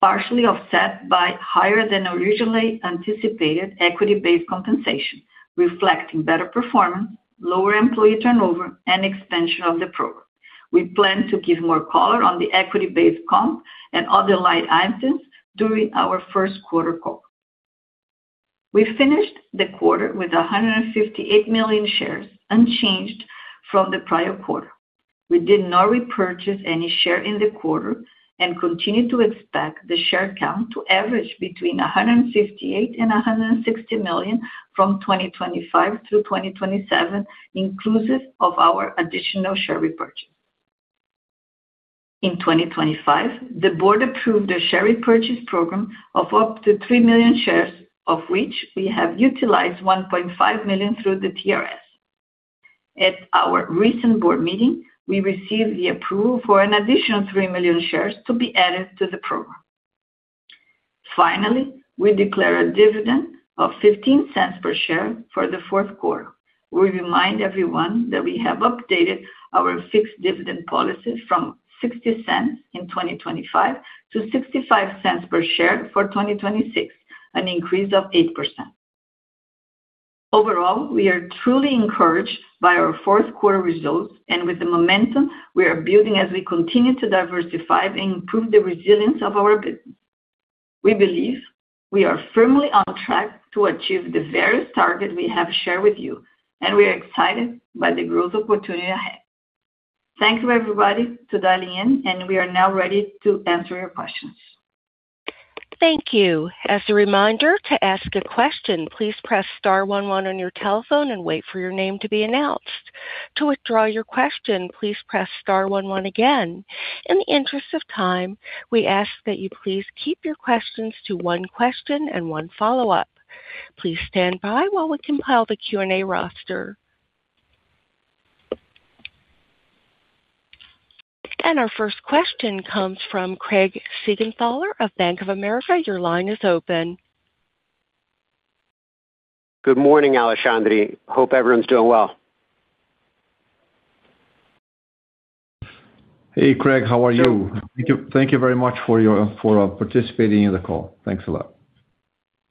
partially offset by higher than originally anticipated equity-based compensation, reflecting better performance, lower employee turnover, and expansion of the program. We plan to give more color on the equity-based comp and other line items during our first quarter call. We finished the quarter with 158 million shares, unchanged from the prior quarter. We did not repurchase any share in the quarter and continue to expect the share count to average between 158 and 160 million from 2025 through 2027, inclusive of our additional share repurchase. In 2025, the board approved a share repurchase program of up to 3 million shares, of which we have utilized 1.5 million through the TRS. At our recent board meeting, we received the approval for an additional 3 million shares to be added to the program. Finally, we declare a dividend of $0.15 per share for the fourth quarter. We remind everyone that we have updated our fixed dividend policy from $0.60 in 2025 to $0.65 per share for 2026, an increase of 8%. Overall, we are truly encouraged by our fourth quarter results and with the momentum we are building as we continue to diversify and improve the resilience of our business. We believe we are firmly on track to achieve the various targets we have shared with you, and we are excited by the growth opportunity ahead. Thank you, everybody, for dialing in, and we are now ready to answer your questions. Thank you. As a reminder, to ask a question, please press star one one on your telephone and wait for your name to be announced. To withdraw your question, please press star one one again. In the interest of time, we ask that you please keep your questions to one question and one follow-up. Please stand by while we compile the Q&A roster. Our first question comes from Craig Siegenthaler of Bank of America. Your line is open. Good morning, Alexandre. Hope everyone's doing well. Hey, Craig, how are you? Thank you, thank you very much for your participating in the call. Thanks a lot.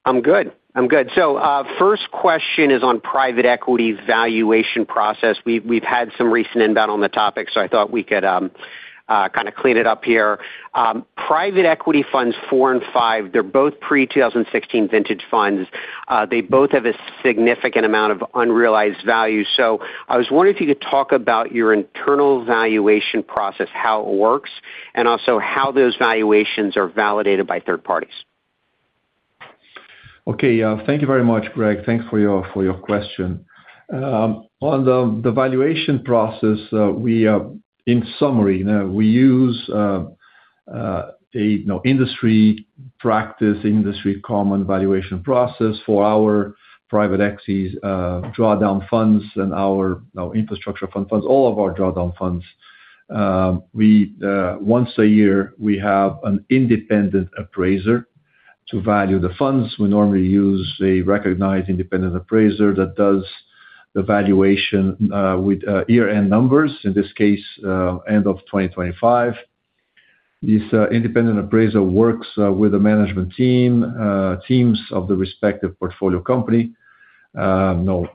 I'm good. I'm good. So, first question is on private equity valuation process. We've, we've had some recent inbound on the topic, so I thought we could, kind of clean it up here. Private equity funds four and five, they're both pre-2016 vintage funds. They both have a significant amount of unrealized value. So I was wondering if you could talk about your internal valuation process, how it works, and also how those valuations are validated by third parties. Okay, thank you very much, Craig. Thanks for your, for your question. On the, the valuation process, we, in summary, we use, a, you know, industry practice, industry common valuation process for our private assets, drawdown funds and our, our infrastructure funds, all of our drawdown funds. We, once a year, we have an independent appraiser to value the funds. We normally use a recognized independent appraiser that does the valuation, with, year-end numbers, in this case, end of 2025. This independent appraiser works with the management teams of the respective portfolio company, you know,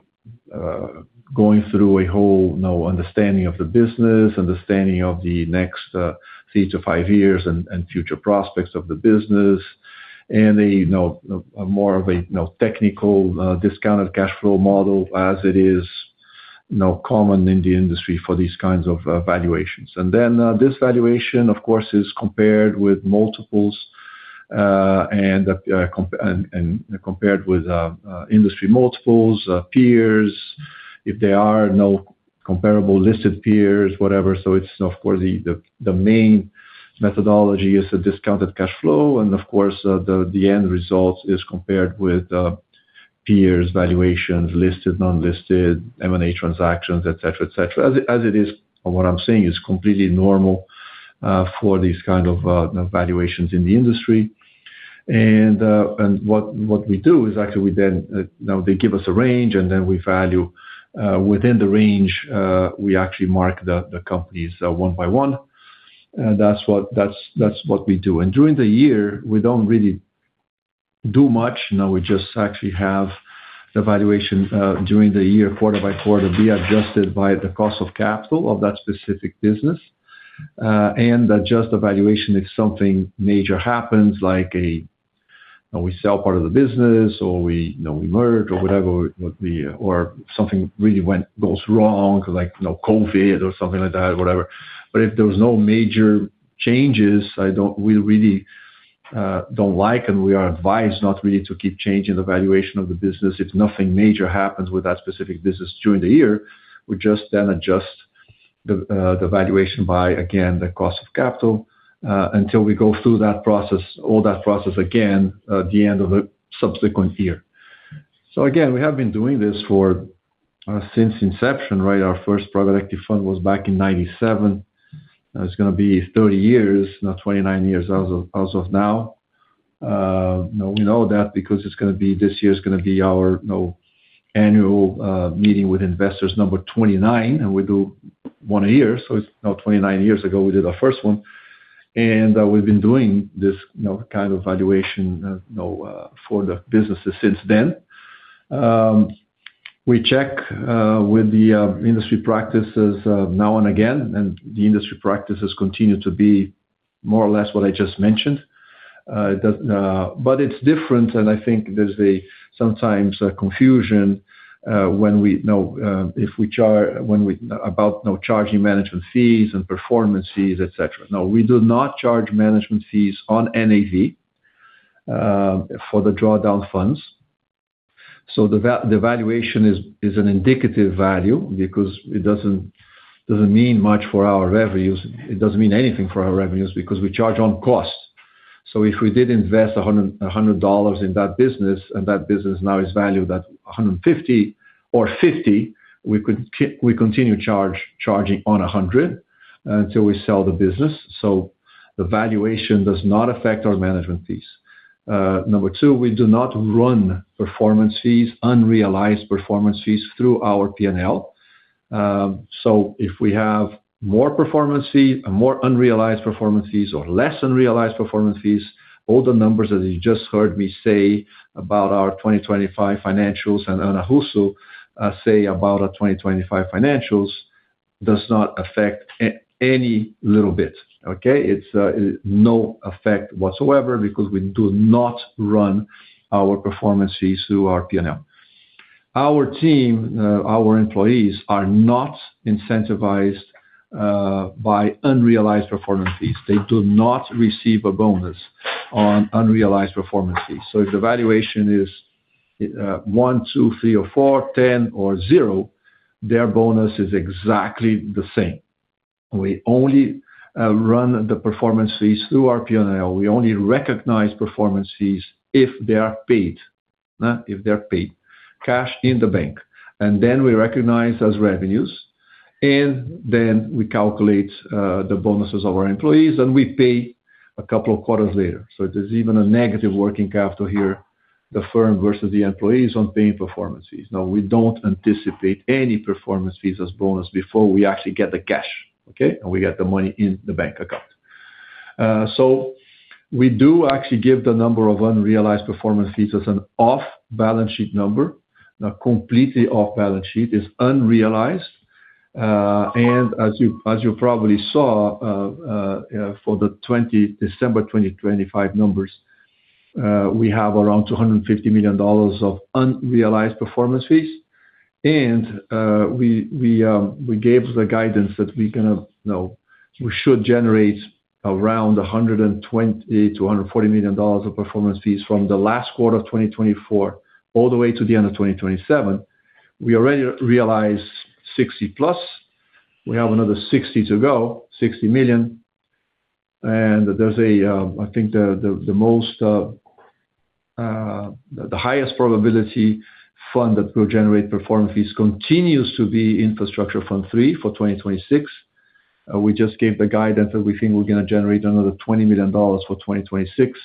going through a whole, you know, understanding of the business, understanding of the next 3-5 years and future prospects of the business, and a, you know, a more of a, you know, technical discounted cash flow model as it is, you know, common in the industry for these kinds of valuations. And then this valuation, of course, is compared with multiples, and compared with industry multiples, peers, if there are no comparable listed peers, whatever. So it's, of course, the main methodology is the discounted cash flow, and of course the end result is compared with peers, valuations, listed, non-listed, M&A transactions, et cetera, et cetera. As it, as it is, what I'm saying is completely normal, for these kind of, valuations in the industry. And, and what, what we do is actually we then... Now they give us a range, and then we value, within the range, we actually mark the, the companies, one by one. That's what, that's, that's what we do. And during the year, we don't really do much. Now, we just actually have the valuation, during the year, quarter by quarter, be adjusted by the cost of capital of that specific business, and adjust the valuation if something major happens, like a, you know, we sell part of the business or we, you know, we merge or whatever would be, or something really went, goes wrong, like, you know, COVID or something like that, whatever. But if there was no major changes, we really don't like, and we are advised not really to keep changing the valuation of the business. If nothing major happens with that specific business during the year, we just then adjust the valuation by, again, the cost of capital, until we go through that process, all that process again at the end of the subsequent year. So again, we have been doing this for since inception, right? Our first private equity fund was back in 1997. It's gonna be 30 years, now 29 years as of now. You know, we know that because it's gonna be this year is gonna be our, you know, annual meeting with investors number 29, and we do one a year, so it's now 29 years ago, we did our first one. We've been doing this, you know, kind of valuation, you know, for the businesses since then. We check with the industry practices now and again, and the industry practices continue to be more or less what I just mentioned. But it's different, and I think there's sometimes a confusion when we, you know, about no charging management fees and performance fees, et cetera. No, we do not charge management fees on NAV for the drawdown funds. So the valuation is an indicative value because it doesn't mean much for our revenues. It doesn't mean anything for our revenues because we charge on costs. So if we did invest $100 dollars in that business, and that business now is valued at $150 or $50, we continue charging on $100 until we sell the business. So the valuation does not affect our management fees. Number two, we do not run performance fees, unrealized performance fees, through our P&L. So if we have more performance fee, more unrealized performance fees or less unrealized performance fees, all the numbers, as you just heard me say about our 2025 financials and Ana Russo say about our 2025 financials, does not affect any little bit, okay? It's no effect whatsoever because we do not run our performance fees through our P&L. Our team, our employees are not incentivized by unrealized performance fees. They do not receive a bonus on unrealized performance fees. So if the valuation is, one, two, three, or four, ten or zero, their bonus is exactly the same. We only run the performance fees through our P&L. We only recognize performance fees if they are paid, if they're paid, cash in the bank, and then we recognize as revenues, and then we calculate the bonuses of our employees, and we pay a couple of quarters later. So there's even a negative working capital here, the firm versus the employees on paying performance fees. Now, we don't anticipate any performance fees as bonus before we actually get the cash, okay? And we get the money in the bank account. So we do actually give the number of unrealized performance fees as an off-balance-sheet number. Now, completely off-balance sheet, is unrealized, and as you, as you probably saw, for the December 2025 numbers, we have around $250 million of unrealized performance fees. And, we, we, we gave the guidance that we're gonna, you know, we should generate around $120 million-$140 million of performance fees from the last quarter of 2024 all the way to the end of 2027. We already realized 60+. We have another 60 to go, $60 million, and there's a, I think the, the, the most, the highest probability fund that will generate performance fees continues to be Infrastructure Fund III for 2026. We just gave the guidance that we think we're gonna generate another $20 million for 2026.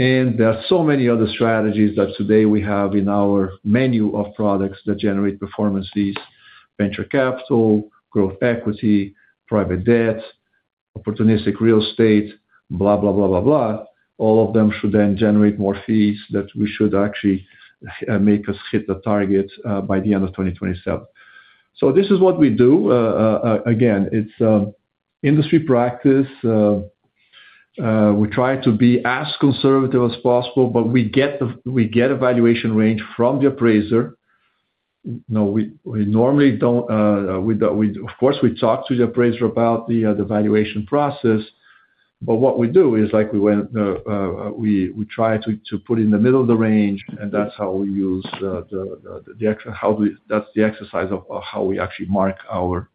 And there are so many other strategies that today we have in our menu of products that generate performance fees, venture capital, growth equity, private debt, opportunistic real estate, blah, blah, blah, blah, blah. All of them should then generate more fees that we should actually make us hit the target by the end of 2027. So this is what we do. Again, it's industry practice. We try to be as conservative as possible, but we get a valuation range from the appraiser. You know, we normally don't. Of course, we talk to the appraiser about the valuation process, but what we do is, like, we try to put in the middle of the range, and that's how we use the exercise of how we actually mark our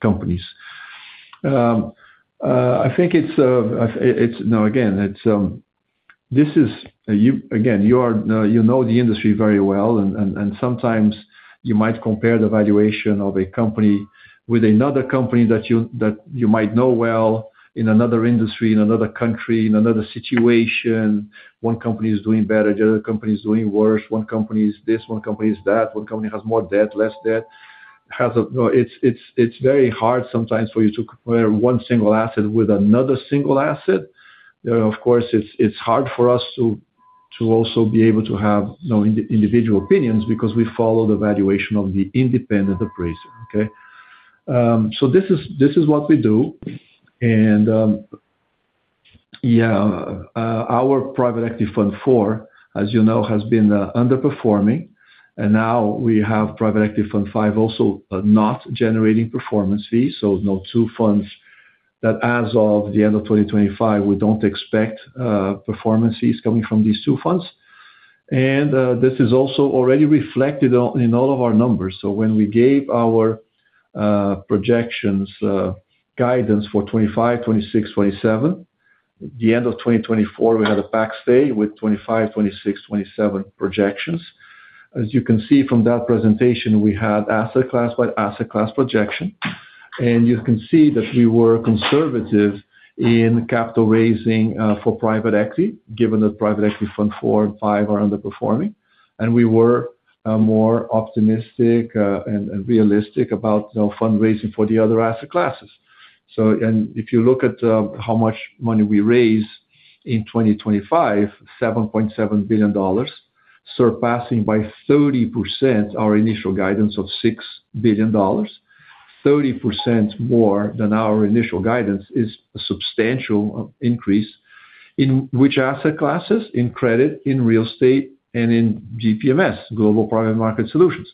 companies. I think it's... Now, again, it's this is-- you, again, you are, you know the industry very well, and sometimes you might compare the valuation of a company with another company that you might know well in another industry, in another country, in another situation. One company is doing better, the other company is doing worse. One company is this, one company is that, one company has more debt, less debt, has a... You know, it's very hard sometimes for you to compare one single asset with another single asset. Of course, it's hard for us to also be able to have, you know, individual opinions because we follow the valuation of the independent appraiser, okay? So this is what we do, and yeah, our Private Equity Fund IV, as you know, has been underperforming, and now we have Private Equity Fund V also not generating performance fees. So now two funds that as of the end of 2025, we don't expect performance fees coming from these two funds. And this is also already reflected on, in all of our numbers. So when we gave our projections, guidance for 25, 26, 27, at the end of 2024, we had a backstop with 25, 26, 27 projections. As you can see from that presentation, we had asset class by asset class projection. And you can see that we were conservative in capital raising for private equity, given that private equity fund IV and V are underperforming. And we were more optimistic and realistic about, you know, fundraising for the other asset classes. So and if you look at how much money we raised in 2025, $7.7 billion, surpassing by 30% our initial guidance of $6 billion. 30% more than our initial guidance is a substantial increase. In which asset classes? In credit, in real estate, and in GPMS, Global Private Markets Solutions.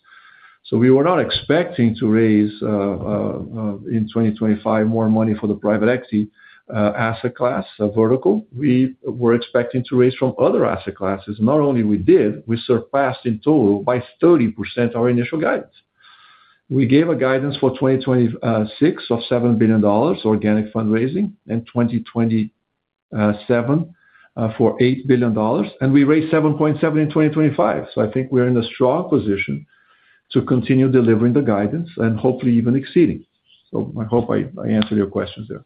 So we were not expecting to raise, in 2025, more money for the private equity asset class vertical. We were expecting to raise from other asset classes. Not only we did, we surpassed in total by 30% our initial guidance. We gave a guidance for 2026 of $7 billion organic fundraising, in 2027 for $8 billion, and we raised $7.7 billion in 2025. So I think we're in a strong position to continue delivering the guidance and hopefully even exceeding. So I hope I, I answered your questions there.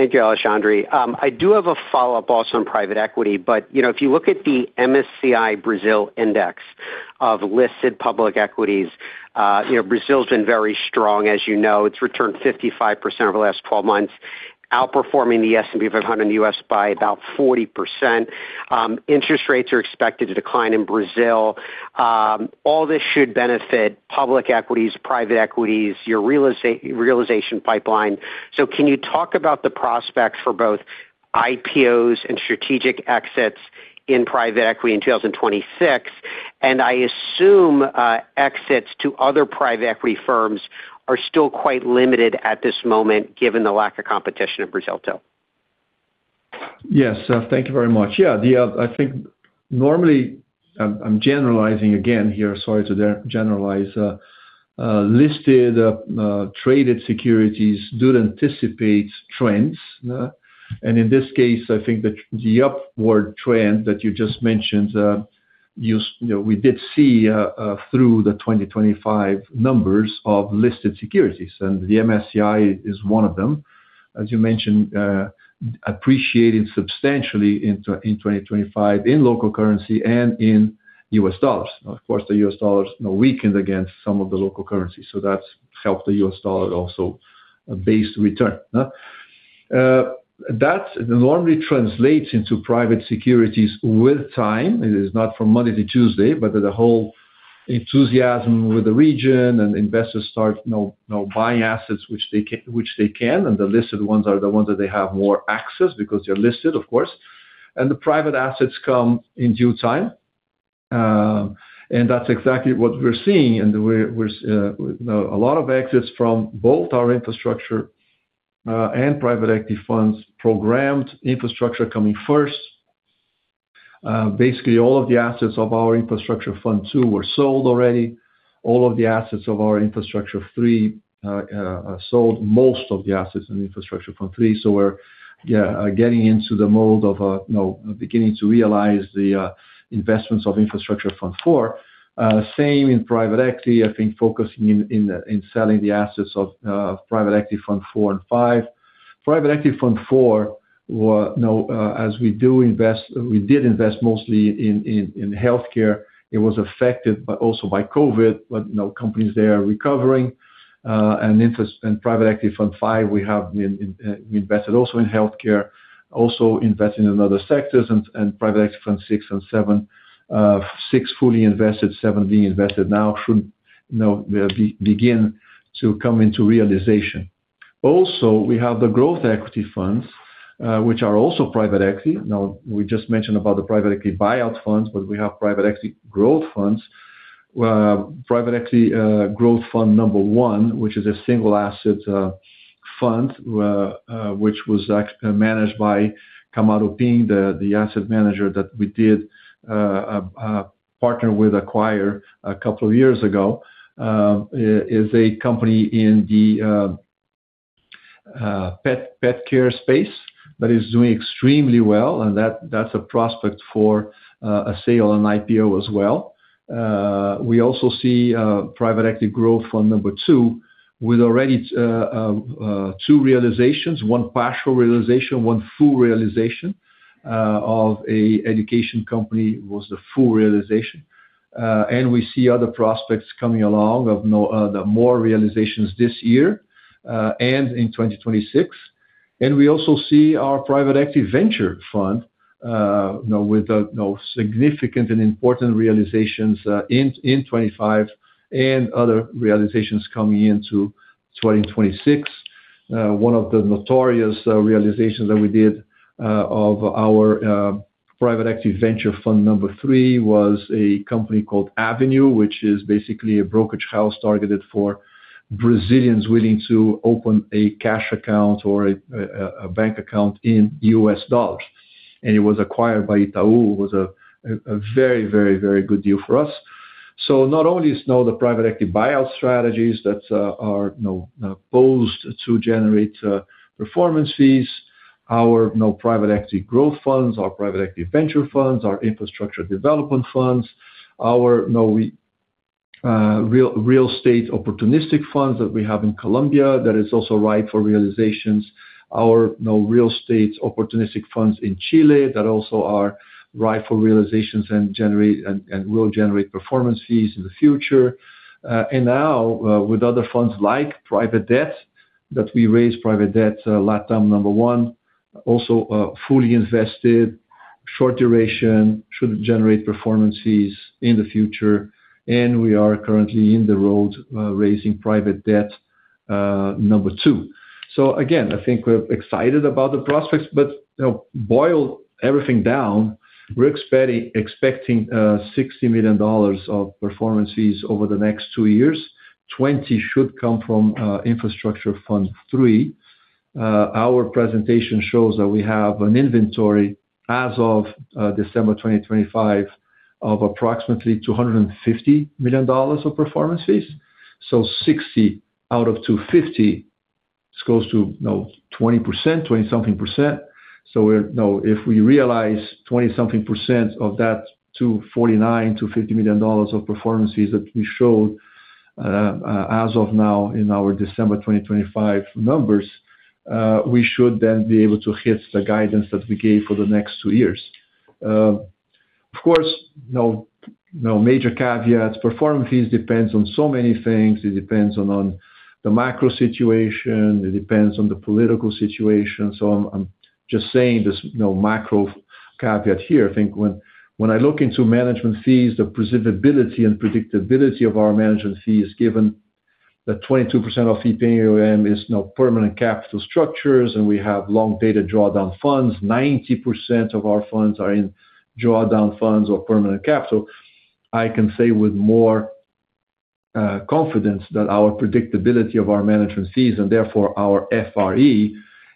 Thank you, Alexandre. I do have a follow-up also on private equity, but, you know, if you look at the MSCI Brazil Index of listed public equities, you know, Brazil's been very strong, as you know. It's returned 55% over the last twelve months, outperforming the S&P 500 in the U.S. by about 40%. Interest rates are expected to decline in Brazil. All this should benefit public equities, private equities, your real estate realization pipeline. So can you talk about the prospects for both IPOs and strategic exits in private equity in 2026? And I assume, exits to other private equity firms are still quite limited at this moment, given the lack of competition in Brazil, too. Yes, thank you very much. Yeah, I think normally, I'm generalizing again here, sorry to generalize, listed traded securities do anticipate trends, and in this case, I think the upward trend that you just mentioned, you know, we did see through the 2025 numbers of listed securities, and the MSCI is one of them. As you mentioned, appreciated substantially in 2025 in local currency and in U.S. dollars. Of course, the U.S. dollars, you know, weakened against some of the local currency, so that's helped the U.S. dollar also base return. That normally translates into private securities with time. It is not from Monday to Tuesday, but the whole enthusiasm with the region and investors start, you know, you know, buying assets which they can, and the listed ones are the ones that they have more access, because they're listed, of course. The private assets come in due time, and that's exactly what we're seeing, and we're a lot of exits from both our Infrastructure and Private Equity funds, programmed infrastructure coming first. Basically, all of the assets of our Infrastructure Fund II were sold already. All of the assets of our Infrastructure Fund III are sold, most of the assets in the Infrastructure Fund III, so we're getting into the mode of, you know, beginning to realize the investments of Infrastructure Fund IV. Same in Private Equity. I think focusing on selling the assets of Private Equity Fund IV and V. Private equity fund four were, you know, as we did invest mostly in healthcare, it was affected by COVID, but, you know, companies there are recovering. And Private Equity Fund V, we have invested also in healthcare, also investing in other sectors, and Private Equity Fund VI and VII, VI fully invested, seven being invested now should, you know, begin to come into realization. Also, we have the growth equity funds, which are also private equity. Now, we just mentioned about the private equity buyout funds, but we have private equity growth funds, Private Equity Growth Fund I, which is a single asset fund, which was managed by Kamaroopin, the asset manager that we did partner with acquired a couple of years ago, is a company in the pet care space that is doing extremely well, and that's a prospect for a sale and IPO as well. We also see Private Equity Growth Fund II, with already two realizations, one partial realization, one full realization, of an education company, was the full realization. And we see other prospects coming along of more realizations this year, and in 2026. And we also see our Private Equity Venture Fund, you know, with you know, significant and important realizations, in 2025 and other realizations coming into 2026. One of the notorious realizations that we did, of our Private Equity Venture Fund III was a company called Avenue, which is basically a brokerage house targeted for Brazilians willing to open a cash account or a bank account in U.S. dollars, and it was acquired by Itaú. It was a very, very, very good deal for us. So not only is, you know, the private equity buyout strategies that are, you know, posed to generate performance fees-... Our, you know, private equity growth funds, our private equity venture funds, our infrastructure development funds, our, you know, real estate opportunistic funds that we have in Colombia, that is also ripe for realizations. Our, you know, real estate opportunistic funds in Chile that also are ripe for realizations and generate and will generate performance fees in the future. And now, with other funds like private debt that we raised Private Debt LatAm I, also fully invested, short duration, should generate performance fees in the future, and we are currently on the road raising Private Debt III. So again, I think we're excited about the prospects, but, you know, boil everything down, we're expecting $60 million of performance fees over the next two years. 20 should come from Infrastructure Fund III. Our presentation shows that we have an inventory as of December 2025, of approximately $250 million of performance fees. So 60 out of 250, it's close to, you know, 20%, 20-something%. So we're, you know, if we realize 20-something% of that to $49 million-$50 million of performance fees that we showed, as of now in our December 2025 numbers, we should then be able to hit the guidance that we gave for the next two years. Of course, no, no major caveats. Performance fees depends on so many things. It depends on, on the macro situation, it depends on the political situation. So I'm, I'm just saying this, you know, macro caveat here. I think when I look into management fees, the predictability and predictability of our management fee is given that 22% of fee-paying AUM is now permanent capital structures, and we have long-dated drawdown funds. 90% of our funds are in drawdown funds or permanent capital. I can say with more confidence that our predictability of our management fees and therefore our FRE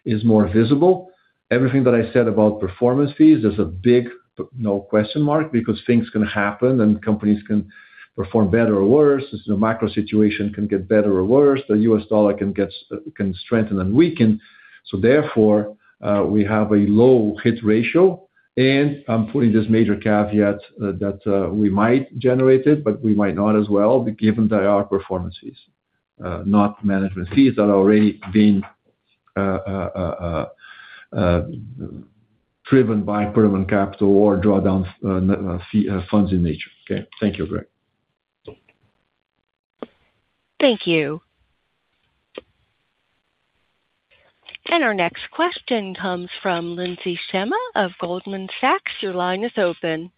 is more visible. Everything that I said about performance fees is a big no question mark, because things can happen and companies can perform better or worse, as the macro situation can get better or worse, the US dollar can strengthen and weaken. So therefore, we have a low hit ratio, and I'm putting this major caveat that we might generate it, but we might not as well, given they are performance fees, not management fees that are already being driven by permanent capital or drawdown funds in nature. Okay. Thank you, Greg. Thank you. And our next question comes from Lindsey Shemma of Goldman Sachs. Your line is open.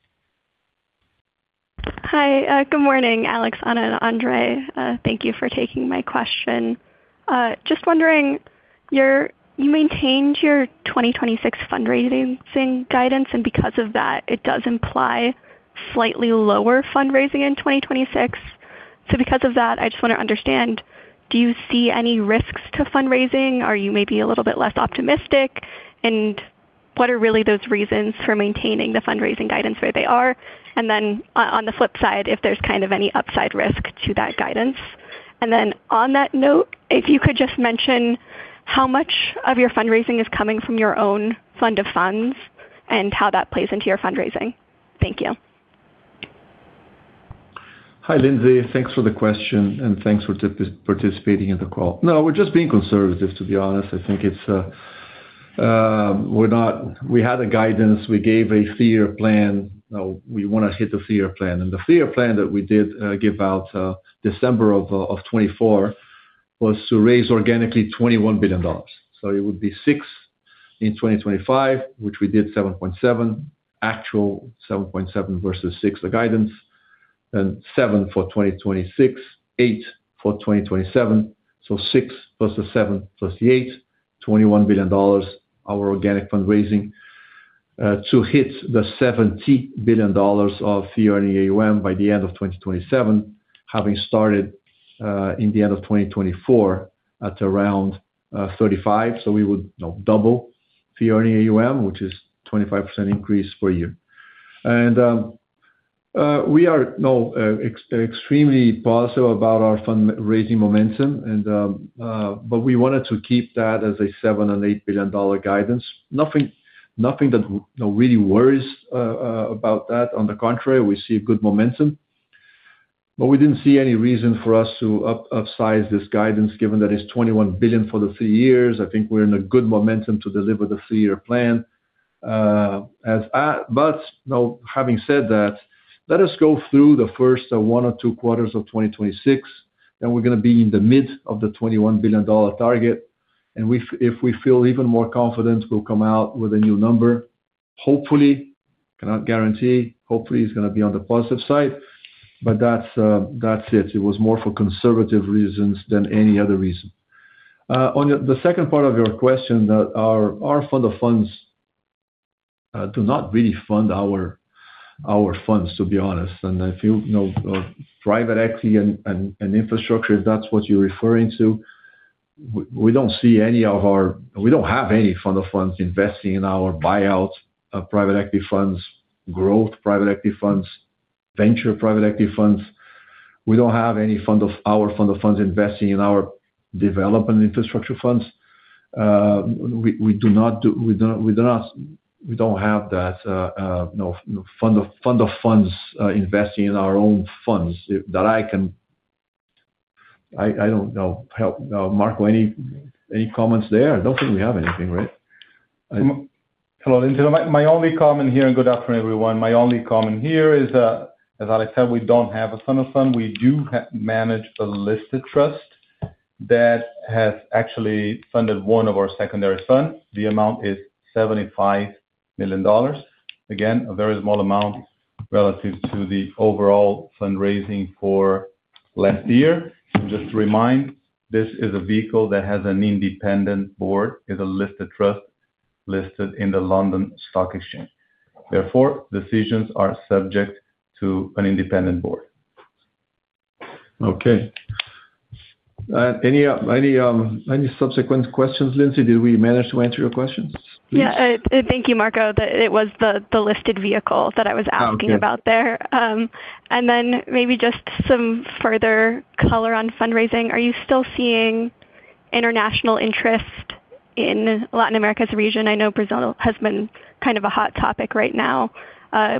Hi, good morning, Alex, Ana, and Andre. Thank you for taking my question. Just wondering, you maintained your 2026 fundraising guidance, and because of that, it does imply slightly lower fundraising in 2026. So because of that, I just wanna understand, do you see any risks to fundraising? Are you maybe a little bit less optimistic? And what are really those reasons for maintaining the fundraising guidance where they are? And then on the flip side, if there's kind of any upside risk to that guidance. And then on that note, if you could just mention how much of your fundraising is coming from your own fund of funds, and how that plays into your fundraising. Thank you. Hi, Lindsey. Thanks for the question, and thanks for participating in the call. No, we're just being conservative, to be honest. I think it's... we're not we had a guidance, we gave a three-year plan. Now, we wanna hit the three-year plan, and the three-year plan that we did give out December of 2024 was to raise organically $21 billion. So it would be six in 2025, which we did 7.7, actual 7.7 versus six, the guidance, and seven for 2026, eight for 2027. So 6+ the 7+ the 8, $21 billion, our organic fundraising to hit the $70 billion of fee earning AUM by the end of 2027, having started in the end of 2024 at around 35. So we would, you know, double Fee Earning AUM, which is 25% increase per year. And we are, you know, extremely positive about our fundraising momentum, and but we wanted to keep that as a $7-$8 billion guidance. Nothing, nothing that, you know, really worries about that. On the contrary, we see good momentum. But we didn't see any reason for us to upsize this guidance, given that it's $21 billion for the three years. I think we're in a good momentum to deliver the three-year plan. But, you know, having said that, let us go through the first one or two quarters of 2026, then we're gonna be in the mid of the $21 billion target, and if we feel even more confident, we'll come out with a new number. Hopefully, cannot guarantee, hopefully, it's gonna be on the positive side, but that's, that's it. It was more for conservative reasons than any other reason. On the second part of your question, that our fund of funds do not really fund our funds, to be honest. And if you, you know, private equity and infrastructure, if that's what you're referring to, we don't see any of our-- we don't have any fund of funds investing in our buyouts of private equity funds, growth private equity funds. venture private equity funds. We don't have any fund of-- our fund of funds investing in our development infrastructure funds. We do not do-- we do not-- we don't have that, you know, fund of, fund of funds investing in our own funds, that I can... I don't know, help, Marco, any comments there? I don't think we have anything, right? Hello, Lindsey. My only comment here... Good afternoon, everyone. My only comment here is, as Alex said, we don't have a fund of fund. We do manage a listed trust that has actually funded one of our secondary funds. The amount is $75 million. Again, a very small amount relative to the overall fundraising for last year. Just to remind, this is a vehicle that has an independent board, is a listed trust, listed in the London Stock Exchange. Therefore, decisions are subject to an independent board. Okay. Any subsequent questions, Lindsey? Did we manage to answer your questions, please? Yeah, thank you, Marco. It was the listed vehicle that I was asking- Oh, okay. -about there. Then maybe just some further color on fundraising. Are you still seeing international interest in Latin America as a region? I know Brazil has been kind of a hot topic right now.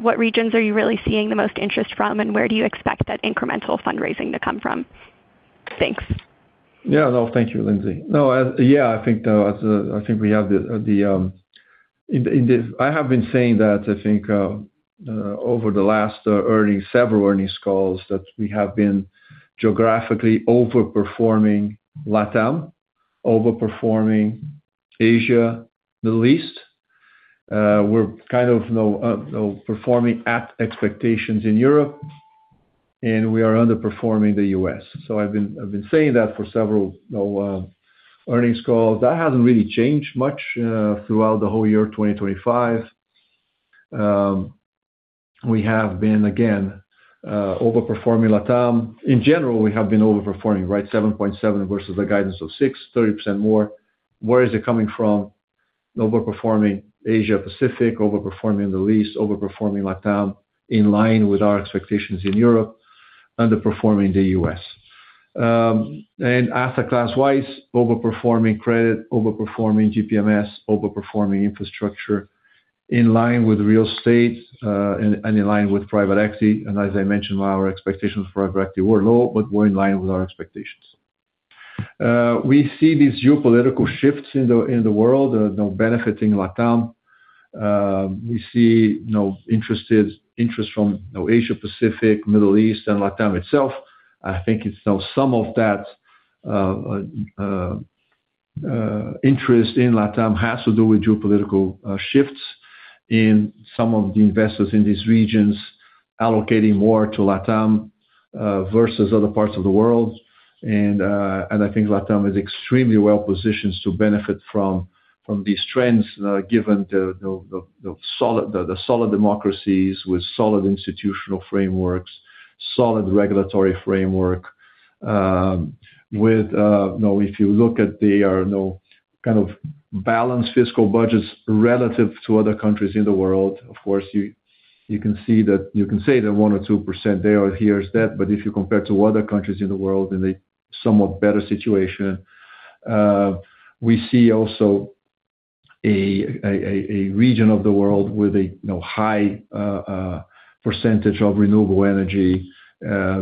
What regions are you really seeing the most interest from, and where do you expect that incremental fundraising to come from? Thanks. Yeah. No, thank you, Lindsey. No, yeah, I think I have been saying that, I think, over the last several earnings calls, that we have been geographically overperforming LatAm, overperforming Asia, Middle East. We're kind of, you know, performing at expectations in Europe, and we are underperforming the U.S. So I've been saying that for several, you know, earnings calls. That hasn't really changed much throughout the whole year 2025. We have been, again, overperforming LatAm. In general, we have been overperforming, right? 7.7 versus a guidance of 6, 30% more. Where is it coming from? Overperforming Asia Pacific, overperforming the Middle East, overperforming LatAm, in line with our expectations in Europe, underperforming the U.S. And asset class-wise, overperforming credit, overperforming GPMS, overperforming infrastructure in line with real estate, and in line with private equity. As I mentioned, while our expectations for private equity were low, but we're in line with our expectations. We see these geopolitical shifts in the world, you know, benefiting LatAm. We see, you know, interest from, you know, Asia Pacific, Middle East, and LatAm itself. I think it's, you know, some of that interest in LatAm has to do with geopolitical shifts in some of the investors in these regions allocating more to LatAm, versus other parts of the world. I think LatAm is extremely well positioned to benefit from these trends, given the solid democracies with solid institutional frameworks, solid regulatory framework with. You know, if you look at the, you know, kind of balanced fiscal budgets relative to other countries in the world, of course, you can see that, you can say that 1% or 2 there or here is that, but if you compare to other countries in the world, in a somewhat better situation. We see also a region of the world with a, you know, high percentage of renewable energy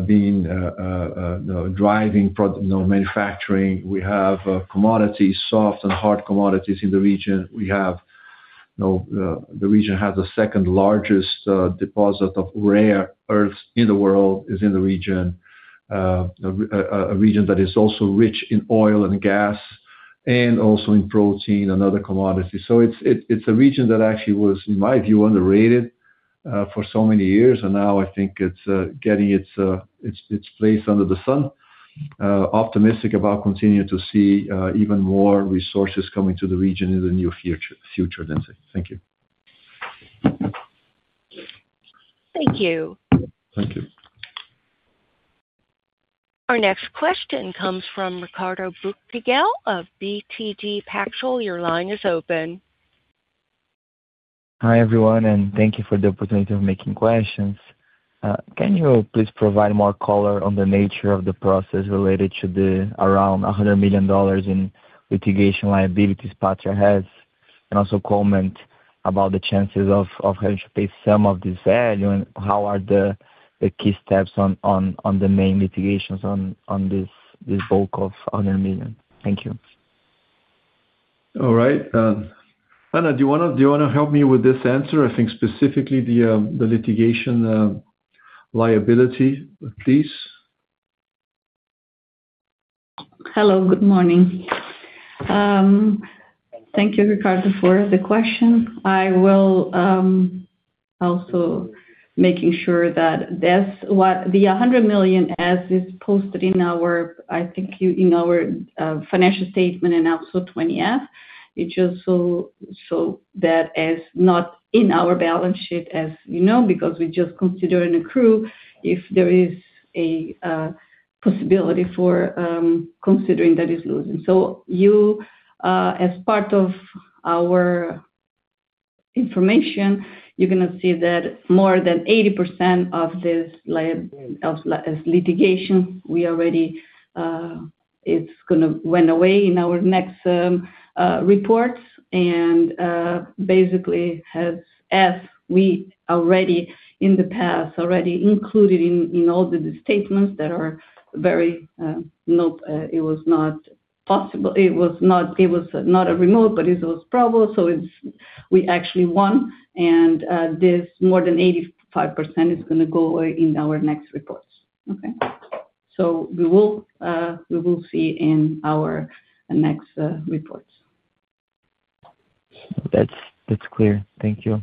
being, you know, driving you know manufacturing. We have commodities, soft and hard commodities in the region. We have, you know, the region has the second largest deposit of rare earths in the world, is in the region. A region that is also rich in oil and gas, and also in protein and other commodities. So it's a region that actually was, in my view, underrated for so many years, and now I think it's getting its place under the sun. Optimistic about continuing to see even more resources coming to the region in the near future, Lindsey. Thank you. Thank you. Thank you. Our next question comes from Ricardo Buchpiguel of BTG Pactual. Your line is open. Hi, everyone, and thank you for the opportunity of making questions. Can you please provide more color on the nature of the process related to the around $100 million in litigation liabilities Patria has? And also comment about the chances of having to pay some of this value, and how are the key steps on the main litigations on this bulk of $100 million? Thank you. All right, Ana, do you wanna, do you wanna help me with this answer? I think specifically the, the litigation, liability, please. Hello, good morning. Thank you, Ricardo, for the question. I will also making sure that this, the $100 million, as is posted in our, I think you, in our, financial statement and also 20-F, it's just so, so that is not in our balance sheet, as you know, because we just consider and accrue if there is a possibility for considering that is losing. So you, as part of our-... information, you're gonna see that more than 80% of this liability of this litigation, we already, it's gonna went away in our next reports. And, basically, as we already in the past already included in all the statements that are very, no, it was not possible - it was not, it was not a remote, but it was probable. So it's, we actually won, and this more than 85% is gonna go away in our next reports, okay? So we will, we will see in our next reports. That's clear. Thank you.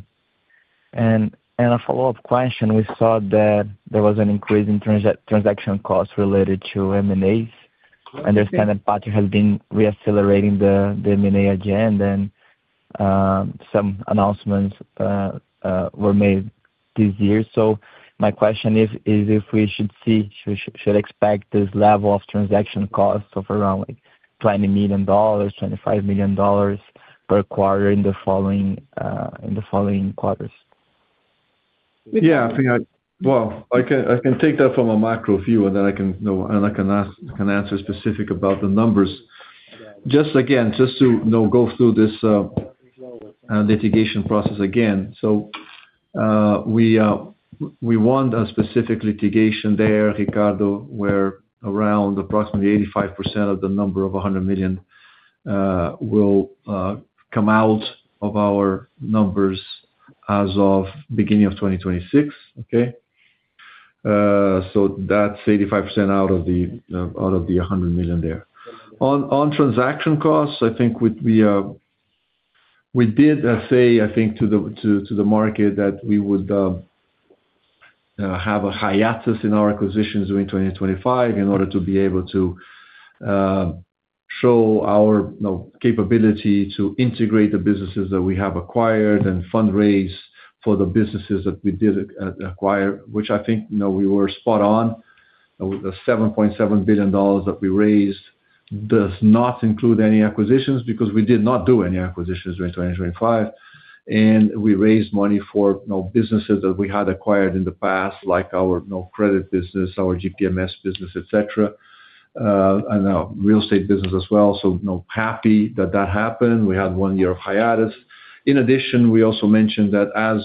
And a follow-up question: We saw that there was an increase in transaction costs related to M&As. I understand that Patria has been reaccelerating the M&A agenda, and some announcements were made this year. So my question is if we should expect this level of transaction costs of around, like, $20 million, $25 million per quarter in the following quarters? Yeah, I think. Well, I can take that from a macro view, and then I can, you know, answer specific about the numbers. Just again, just to, you know, go through this litigation process again. So, we won a specific litigation there, Ricardo, where around approximately 85% of the number of $100 million will come out of our numbers as of beginning of 2026, okay? So that's 85% out of the $100 million there. On transaction costs, I think we did say, I think, to the market that we would have a hiatus in our acquisitions during 2025 in order to be able to show our, you know, capability to integrate the businesses that we have acquired and fundraise for the businesses that we did acquire, which I think, you know, we were spot on. With the $7.7 billion that we raised, does not include any acquisitions, because we did not do any acquisitions during 2025. And we raised money for, you know, businesses that we had acquired in the past, like our, you know, credit business, our GPMS business, et cetera, and our real estate business as well. So, you know, happy that that happened. We had one year of hiatus. In addition, we also mentioned that as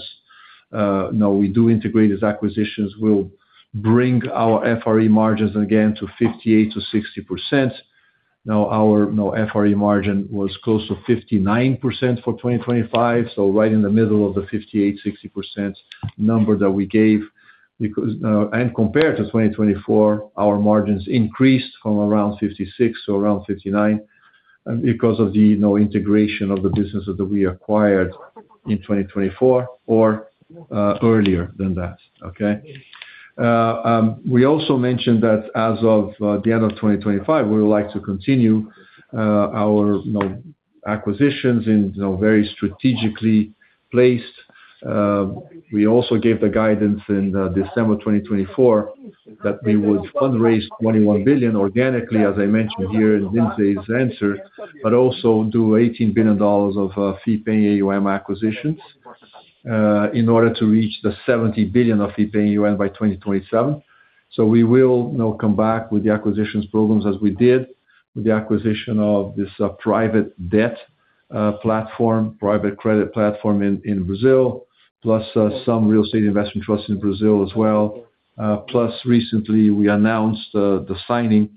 you know, we do integrate these acquisitions, we'll bring our FRE margins again to 58%-60%. Now, our, you know, FRE margin was close to 59% for 2025, so right in the middle of the 58%-60% number that we gave. Because, and compared to 2024, our margins increased from around 56% to around 59%, because of the, you know, integration of the businesses that we acquired in 2024 or, earlier than that, okay? We also mentioned that as of the end of 2025, we would like to continue our, you know, acquisitions in, you know, very strategically placed. We also gave the guidance in December 2024, that we would fundraise $21 billion organically, as I mentioned here in today's answer, but also do $18 billion of fee-paying AUM acquisitions, in order to reach 70 billion of fee-paying AUM by 2027. So we will, you know, come back with the acquisitions programs, as we did with the acquisition of this private debt platform, private credit platform in Brazil, plus some real estate investment trust in Brazil as well. Plus, recently, we announced the signing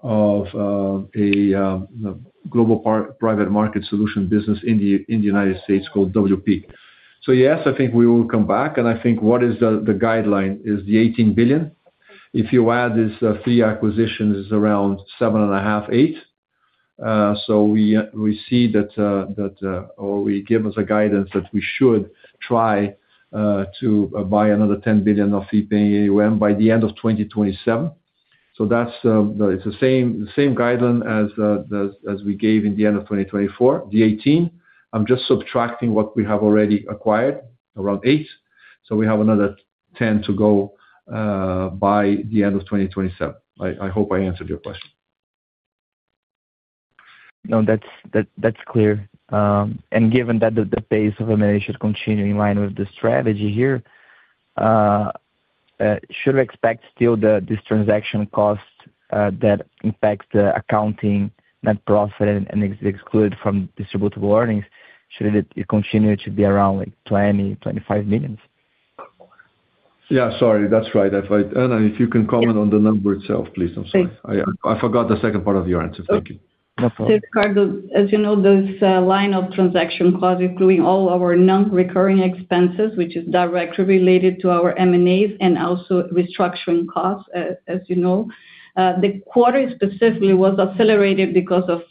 of a global private market solution business in the United States called WP. So yes, I think we will come back, and I think what is the guideline is the $18 billion. If you add this, three acquisitions is around $7.5-$8 billion. So we see that, or we give us a guidance that we should try to buy another $10 billion of fee-paying AUM by the end of 2027. So that's, it's the same, the same guidance as we gave in the end of 2024, the 18. I'm just subtracting what we have already acquired, around 8, so we have another 10 to go, by the end of 2027. I hope I answered your question. No, that's clear. And given that the pace of M&A should continue in line with the strategy here, should we expect still this transaction cost that impacts the accounting net profit and exclude from distributable earnings to continue to be around, like, $20-$25 million? Yeah, sorry. That's right. Ana, if you can comment on the number itself, please. I'm sorry. Yes. I, I forgot the second part of your answer. Thank you. No problem. Ricardo, as you know, this line of transaction costs, including all our non-recurring expenses, which is directly related to our M&As and also restructuring costs, as you know, the quarter specifically was accelerated because of,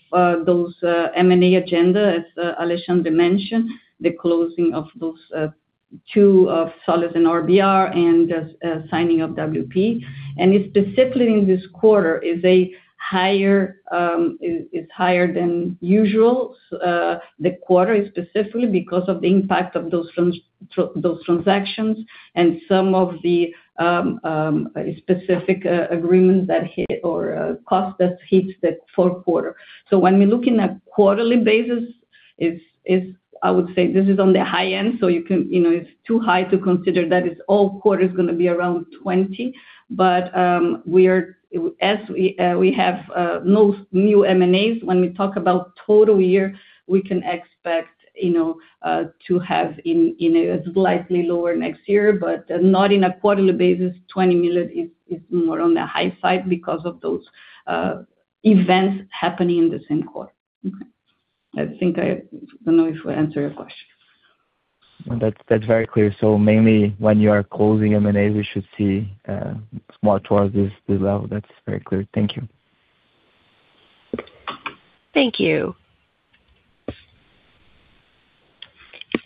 those, M&A agenda, as, Alexandre mentioned, the closing of those, two, of Solus and RBR and the, signing of WP. And specifically in this quarter is a higher, is, is higher than usual, the quarter specifically because of the impact of those transactions and some of the, specific, agreements that hit or, cost that hit the fourth quarter. So when we look in a quarterly basis is, is I would say this is on the high end, so you can, you know, it's too high to consider that it's all quarters gonna be around $20. But we have no new M&As, when we talk about total year, we can expect, you know, to have a slightly lower next year, but not in a quarterly basis. $20 million is more on the high side because of those events happening in the same quarter. Okay. I think I... I don't know if I answered your question. That's, that's very clear. So mainly when you are closing M&A, we should see more towards this level. That's very clear. Thank you. Thank you.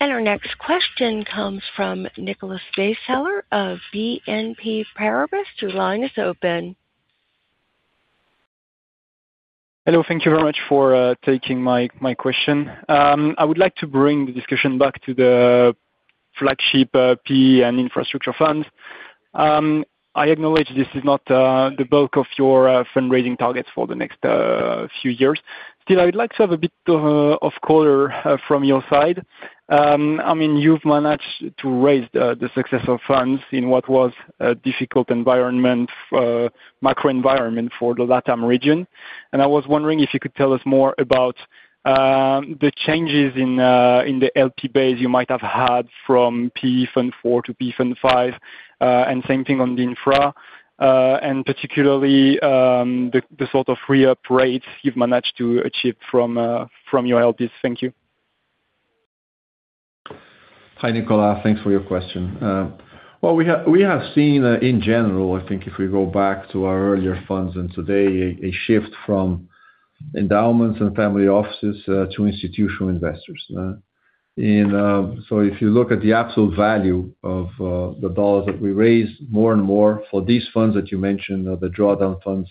Our next question comes from Nicolas Bacellar of BNP Paribas, your line is open. Hello. Thank you very much for taking my question. I would like to bring the discussion back to the flagship PE and infrastructure funds. I acknowledge this is not the bulk of your fundraising targets for the next few years. Still, I would like to have a bit of color from your side. I mean, you've managed to raise the successive funds in what was a difficult environment, macro environment for the LatAm region. And I was wondering if you could tell us more about the changes in the LP base you might have had from PE Fund IV to PE Fund V, and same thing on the infra, and particularly the sort of re-up rates you've managed to achieve from your LPs. Thank you. Hi, Nicolas. Thanks for your question. Well, we have seen in general, I think if we go back to our earlier funds and today, a shift from endowments and family offices to institutional investors. So if you look at the absolute value of the dollars that we raised, more and more for these funds that you mentioned, the drawdown funds,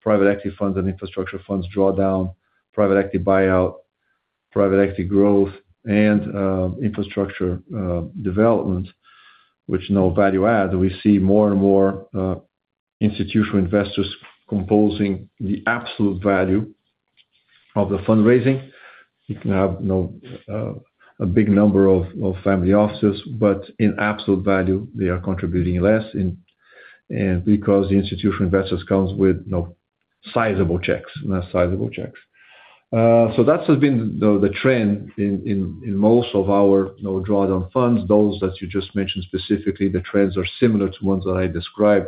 private equity funds and infrastructure funds, drawdown, private equity buyout, private equity growth, and infrastructure development, which no value add, we see more and more institutional investors composing the absolute value of the fundraising. You can have, you know, a big number of family offices, but in absolute value they are contributing less in... and because the institutional investors comes with, you know, sizable checks, more sizable checks. So that has been the trend in most of our, you know, drawdown funds. Those that you just mentioned specifically, the trends are similar to ones that I described.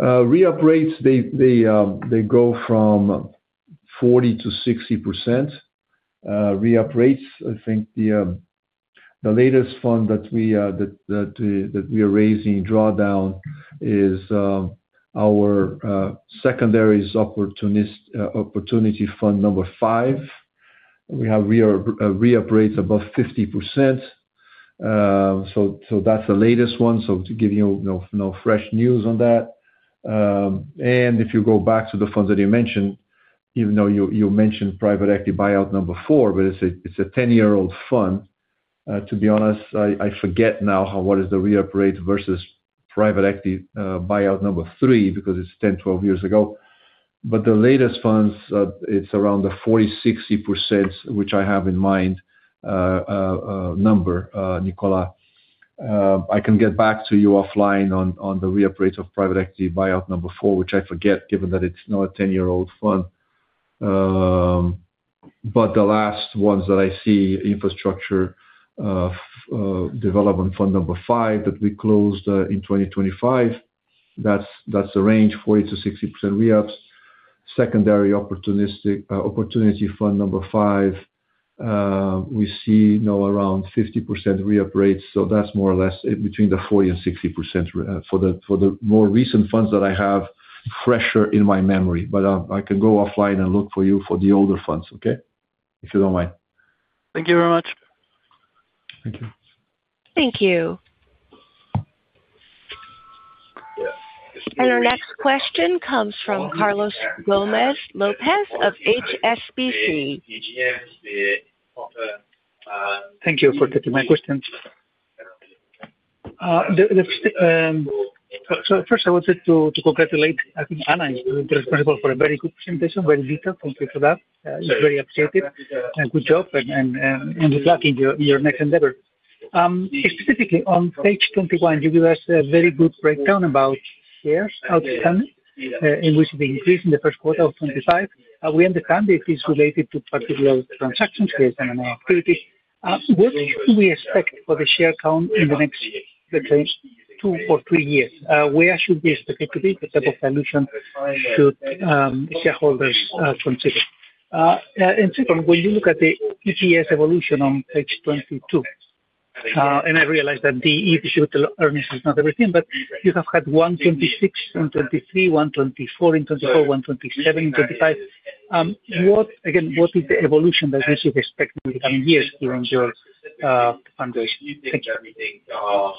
Reup rates, they go from 40%-60%, reup rates. I think the latest fund that we are raising, drawdown, is our Secondary Opportunities Fund V. We have re-up rates above 50%. So that's the latest one, so to give you, you know, fresh news on that. And if you go back to the funds that you mentioned, even though you mentioned Private Equity Buyout Fund IV, but it's a 10-year-old fund. To be honest, I forget now how what is the re-up rate versus private equity buyout number three, because it's 10, 12 years ago. But the latest funds, it's around the 40%-60%, which I have in mind, number, Nicolas. I can get back to you offline on the re-up rate of Private Equity Buyout VI, which I forget, given that it's now a 10-year-old fund. But the last ones that I see, Infrastructure Development Fund V, that we closed in 2025, that's the range, 40%-60% reups. Secondary Opportunities Fund V, we see now around 50% re-up rates, so that's more or less between 40% and 60% for the more recent funds that I have fresher in my memory. But I can go offline and look for you for the older funds, okay? If you don't mind. Thank you very much. Thank you. Thank you. Yes. Our next question comes from Carlos Gomez-Lopez of HSBC. Thank you for taking my questions. First, I wanted to congratulate, I think, Ana is responsible for a very good presentation, very detailed. Thank you for that. It's very appreciated, and good job, and good luck in your next endeavor. Specifically on page 21, you give us a very good breakdown about shares outstanding, in which the increase in the first quarter of 2025. We understand it is related to particular transactions based on an activity. What should we expect for the share count in the next, let's say, two or three years? Where should we expect it to be, the type of dilution should shareholders consider? And second, when you look at the EPS evolution on page 22, and I realize that the EPS earnings is not everything, but you have had 126, 123, 124 in 2024, 127 in 2025. What... Again, what is the evolution that we should expect in the coming years during your under? Thank you.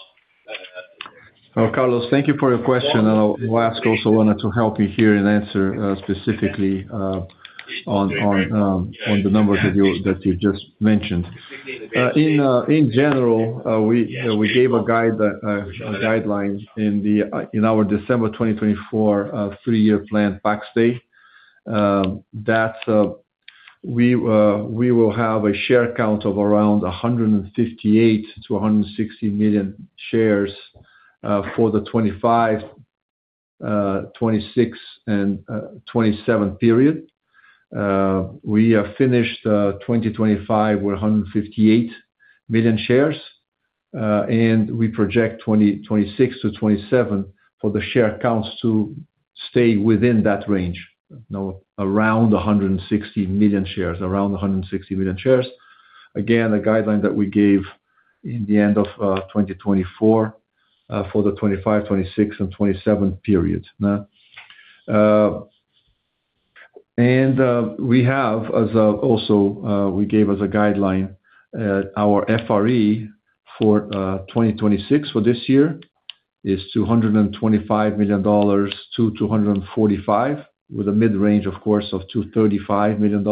Oh, Carlos, thank you for your question. And I'll ask also Anna to help me here and answer, specifically, on the numbers that you just mentioned. In general, we gave a guide, a guideline in our December 2024 three-year plan backstay. That we will have a share count of around 158-160 million shares for the 2025, 2026 and 2027 period. We have finished 2025 with 158 million shares, and we project 2026-2027 for the share counts to stay within that range, you know, around 160 million shares, around 160 million shares. Again, a guideline that we gave in the end of 2024 for the 2025, 2026 and 2027 periods. And we have as also we gave as a guideline our FRE for 2026, for this year, is $225 million-$245 million, with a mid-range, of course, of $235 million.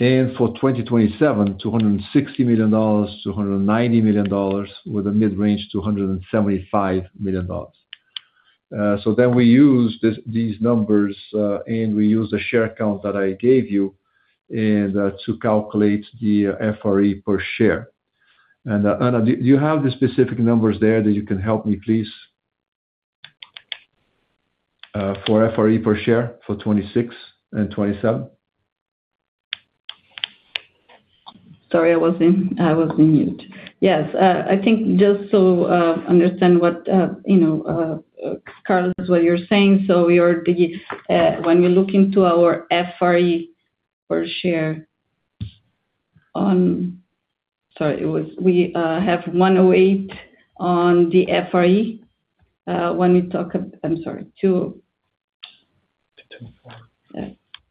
And for 2027, $260 million-$290 million, with a mid-range, $275 million. So then we use these numbers and we use the share count that I gave you and to calculate the FRE per share. And Anna, do you have the specific numbers there that you can help me, please, for FRE per share for 2026 and 2027? Sorry, I was in mute. Yes. I think just so understand what, you know, Carlos, what you're saying. So when we look into our FRE per share on... Sorry, we have $1.08 on the FRE, when we talk of—I'm sorry, two.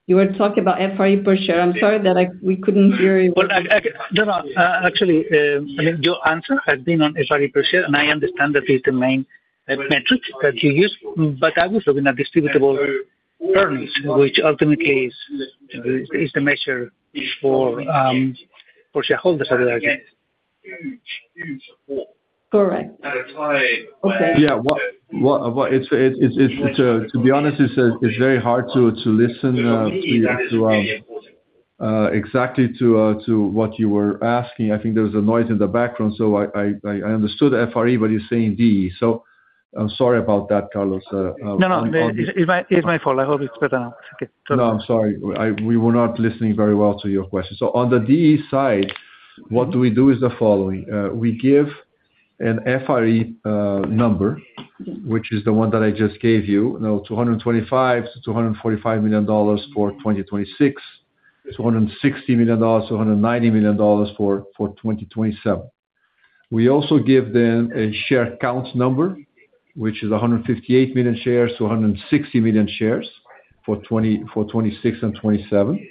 You were talking about FRE per share. I'm sorry that we couldn't hear you. Well, actually, your answer has been on FRE per share, and I understand that it's the main metric that you use. But I was looking at distributable earnings, which ultimately is the measure for shareholders, I guess. Correct. Okay. Yeah. What... It's, to be honest, it's very hard to listen exactly to what you were asking. I think there was a noise in the background, so I understood the FRE, but you're saying DE. So I'm sorry about that, Carlos. No, no, it's my, it's my fault. I hope it's better now. Okay. No, I'm sorry. We were not listening very well to your question. So on the DE side, what we do is the following: we give an FRE number, which is the one that I just gave you, you know, $225 million-$245 million for 2026, $260 million-$190 million for 2027. We also give them a share count number, which is 158 million shares-160 million shares for 2026 and 2027.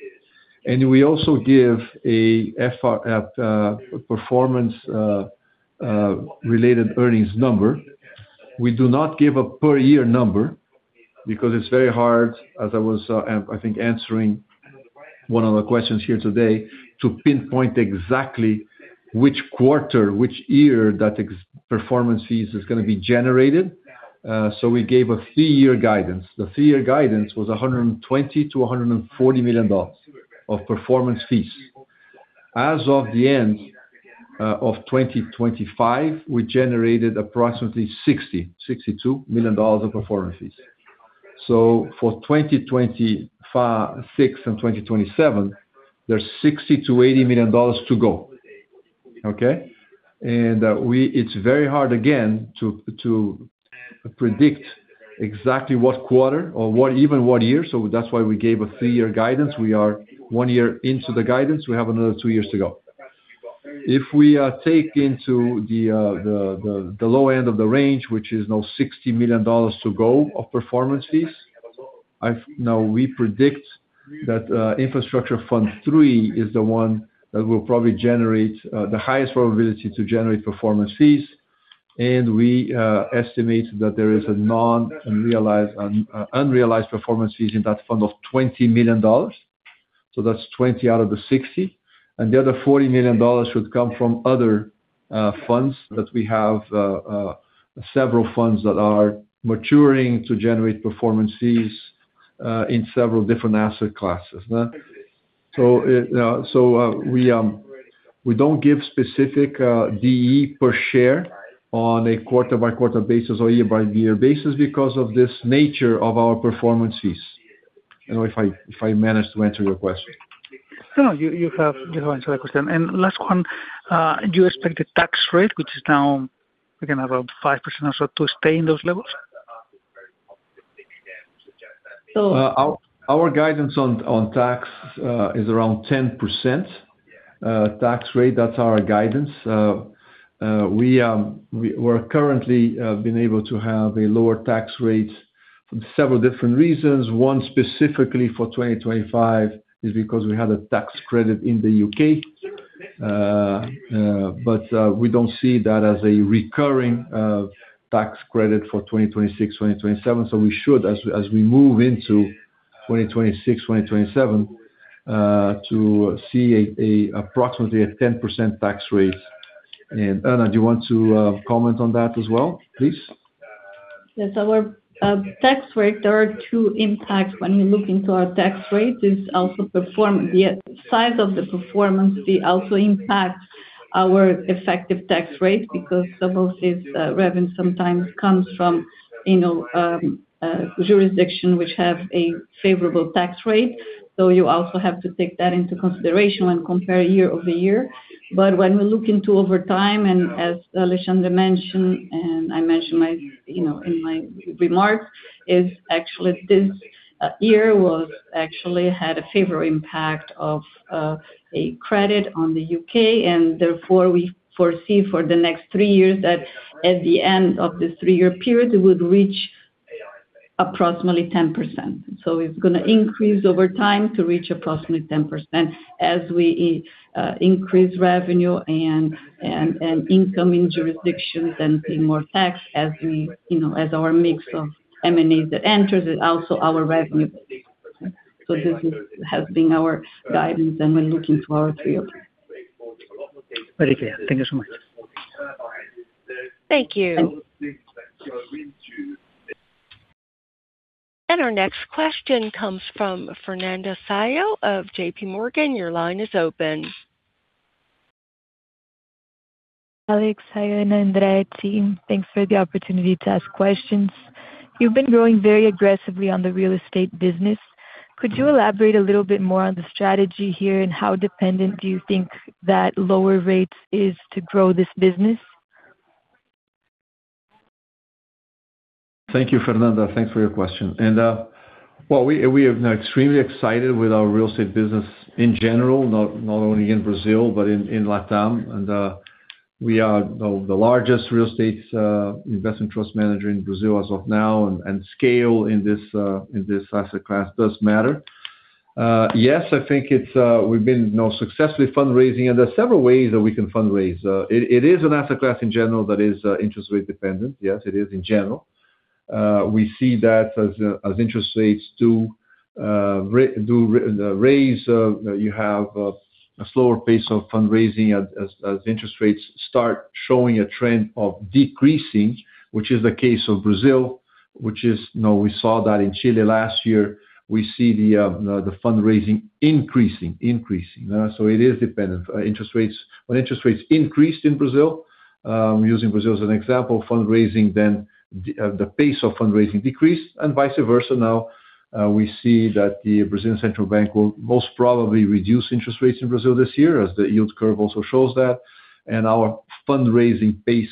And we also give a FRE performance related earnings number. We do not give a per year number because it's very hard, as I was, I think, answering one of the questions here today, to pinpoint exactly which quarter, which year that performance fees is gonna be generated. So we gave a three-year guidance. The three-year guidance was $120 million-$140 million of performance fees. As of the end of 2025, we generated approximately $62 million of performance fees. So for 2026 and 2027, there's $60 million-$80 million to go, okay? It's very hard, again, to predict exactly what quarter or what, even what year, so that's why we gave a three-year guidance. We are one year into the guidance. We have another two years to go. If we take into the low end of the range, which is now $60 million to go of performance fees. Now, we predict that Infrastructure Fund III is the one that will probably generate the highest probability to generate performance fees. And we estimate that there is an unrealized performance fees in that fund of $20 million. So that's 20 out of the 60, and the other $40 million should come from other funds that we have, several funds that are maturing to generate performance fees in several different asset classes. So, we don't give specific DE per share on a quarter-by-quarter basis or year-by-year basis because of this nature of our performance fees. I don't know if I managed to answer your question. No, you have answered the question. And last one, do you expect the tax rate, which is now, again, around 5% or so, to stay in those levels? Our guidance on tax is around 10% tax rate. That's our guidance. We're currently been able to have a lower tax rate for several different reasons. One, specifically for 2025, is because we had a tax credit in the U.K. But we don't see that as a recurring tax credit for 2026, 2027. So we should, as we move into 2026, 2027, to see approximately a 10% tax rate. And Anna, do you want to comment on that as well, please? Yes, our tax rate, there are two impacts when you look into our tax rate, is also performance. The size of the performance fee also impacts our effective tax rate, because some of this revenue sometimes comes from, you know, jurisdiction which have a favorable tax rate. So you also have to take that into consideration when comparing year-over-year. But when we look into over time, and as Alexandre mentioned, and I mentioned my, you know, in my remarks, is actually this year was actually had a favorable impact of a credit on the U.K. And therefore, we foresee for the next three years that at the end of this three-year period, it would reach approximately 10%. So it's gonna increase over time to reach approximately 10% as we increase revenue and incoming jurisdictions and pay more tax as we, you know, as our mix of M&As that enters it, also our revenue. So this is, has been our guidance, and we're looking to our field. Very clear. Thank you so much. Thank you. And- Our next question comes from Fernanda Sayão of JP Morgan. Your line is open. Alex, Sayão and Andre team, thanks for the opportunity to ask questions. You've been growing very aggressively on the real estate business. Could you elaborate a little bit more on the strategy here, and how dependent do you think that lower rates is to grow this business? Thank you, Fernanda. Thanks for your question. Well, we are extremely excited with our real estate business in general, not only in Brazil, but in LatAm. We are the largest real estate investment trust manager in Brazil as of now, and scale in this asset class does matter. Yes, I think it's we've been, you know, successfully fundraising, and there are several ways that we can fundraise. It is an asset class in general that is interest rate dependent. Yes, it is in general. We see that as interest rates do raise, you have a slower pace of fundraising as interest rates start showing a trend of decreasing, which is the case of Brazil, which is, you know, we saw that in Chile last year. We see the fundraising increasing, so it is dependent. Interest rates—when interest rates increased in Brazil, using Brazil as an example, the pace of fundraising decreased and vice versa. Now, we see that the Brazilian Central Bank will most probably reduce interest rates in Brazil this year, as the yield curve also shows that. And our fundraising pace,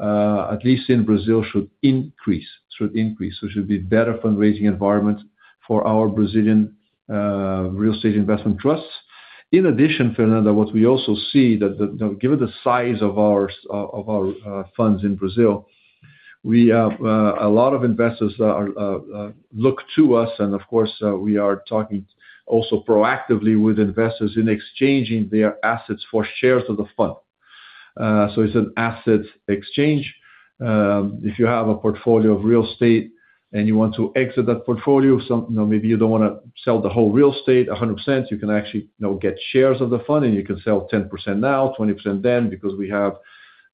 at least in Brazil, should increase. So it should be better fundraising environment for our Brazilian real estate investment trusts. In addition, Fernanda, what we also see that the, you know, given the size of our of our funds in Brazil, we have a lot of investors that are look to us, and of course we are talking also proactively with investors in exchanging their assets for shares of the fund. So it's an asset exchange. If you have a portfolio of real estate and you want to exit that portfolio, you know, maybe you don't wanna sell the whole real estate 100%, you can actually, you know, get shares of the fund, and you can sell 10% now, 20% then, because we have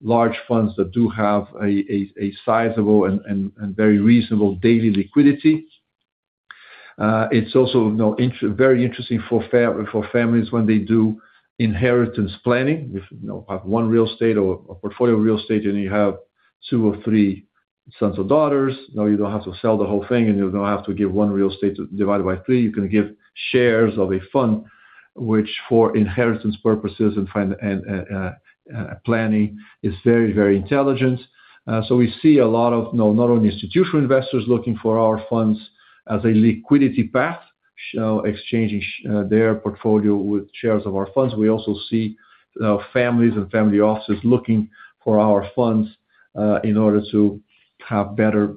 large funds that do have a sizable and very reasonable daily liquidity. It's also, you know, very interesting for for families when they do inheritance planning. If you know have one real estate or a portfolio of real estate, and you have two or three sons or daughters, now you don't have to sell the whole thing, and you don't have to give one real estate divided by three. You can give shares of a fund, which for inheritance purposes and financial planning is very, very intelligent. So we see a lot of, you know, not only institutional investors looking for our funds as a liquidity path, such as exchanging their portfolio with shares of our funds. We also see families and family offices looking for our funds in order to have better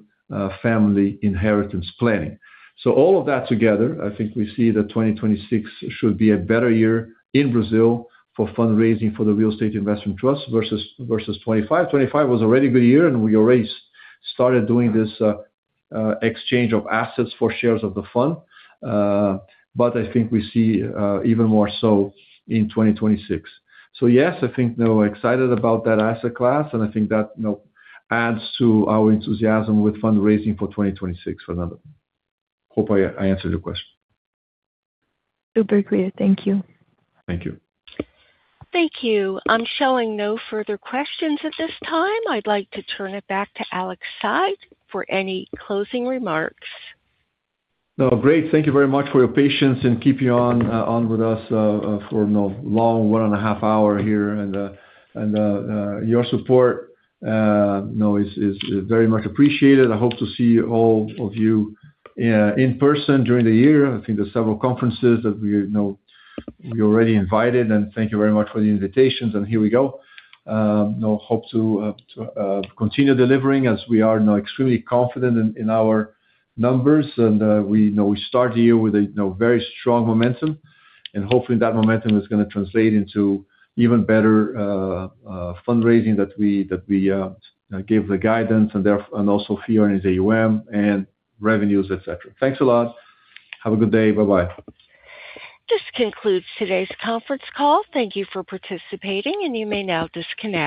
family inheritance planning. So all of that together, I think we see that 2026 should be a better year in Brazil for fundraising for the real estate investment trust versus 2025. 2025 was already a good year, and we already started doing this exchange of assets for shares of the fund. But I think we see even more so in 2026. So yes, I think, you know, we're excited about that asset class, and I think that, you know, adds to our enthusiasm with fundraising for 2026, Fernanda. Hope I answered your question. Super clear. Thank you. Thank you. Thank you. I'm showing no further questions at this time. I'd like to turn it back to Alexandre Saigh for any closing remarks. Oh, great. Thank you very much for your patience and keeping on with us for a long 1.5 hour here, and your support, you know, is very much appreciated. I hope to see all of you in person during the year. I think there are several conferences that we, you know, we already invited, and thank you very much for the invitations, and here we go. You know, hope to continue delivering as we are now extremely confident in our numbers. And we, you know, we start the year with a very strong momentum, and hopefully that momentum is gonna translate into even better fundraising that we give the guidance and there, and also fee on AUM and revenues, et cetera. Thanks a lot. Have a good day. Bye-bye. This concludes today's conference call. Thank you for participating, and you may now disconnect.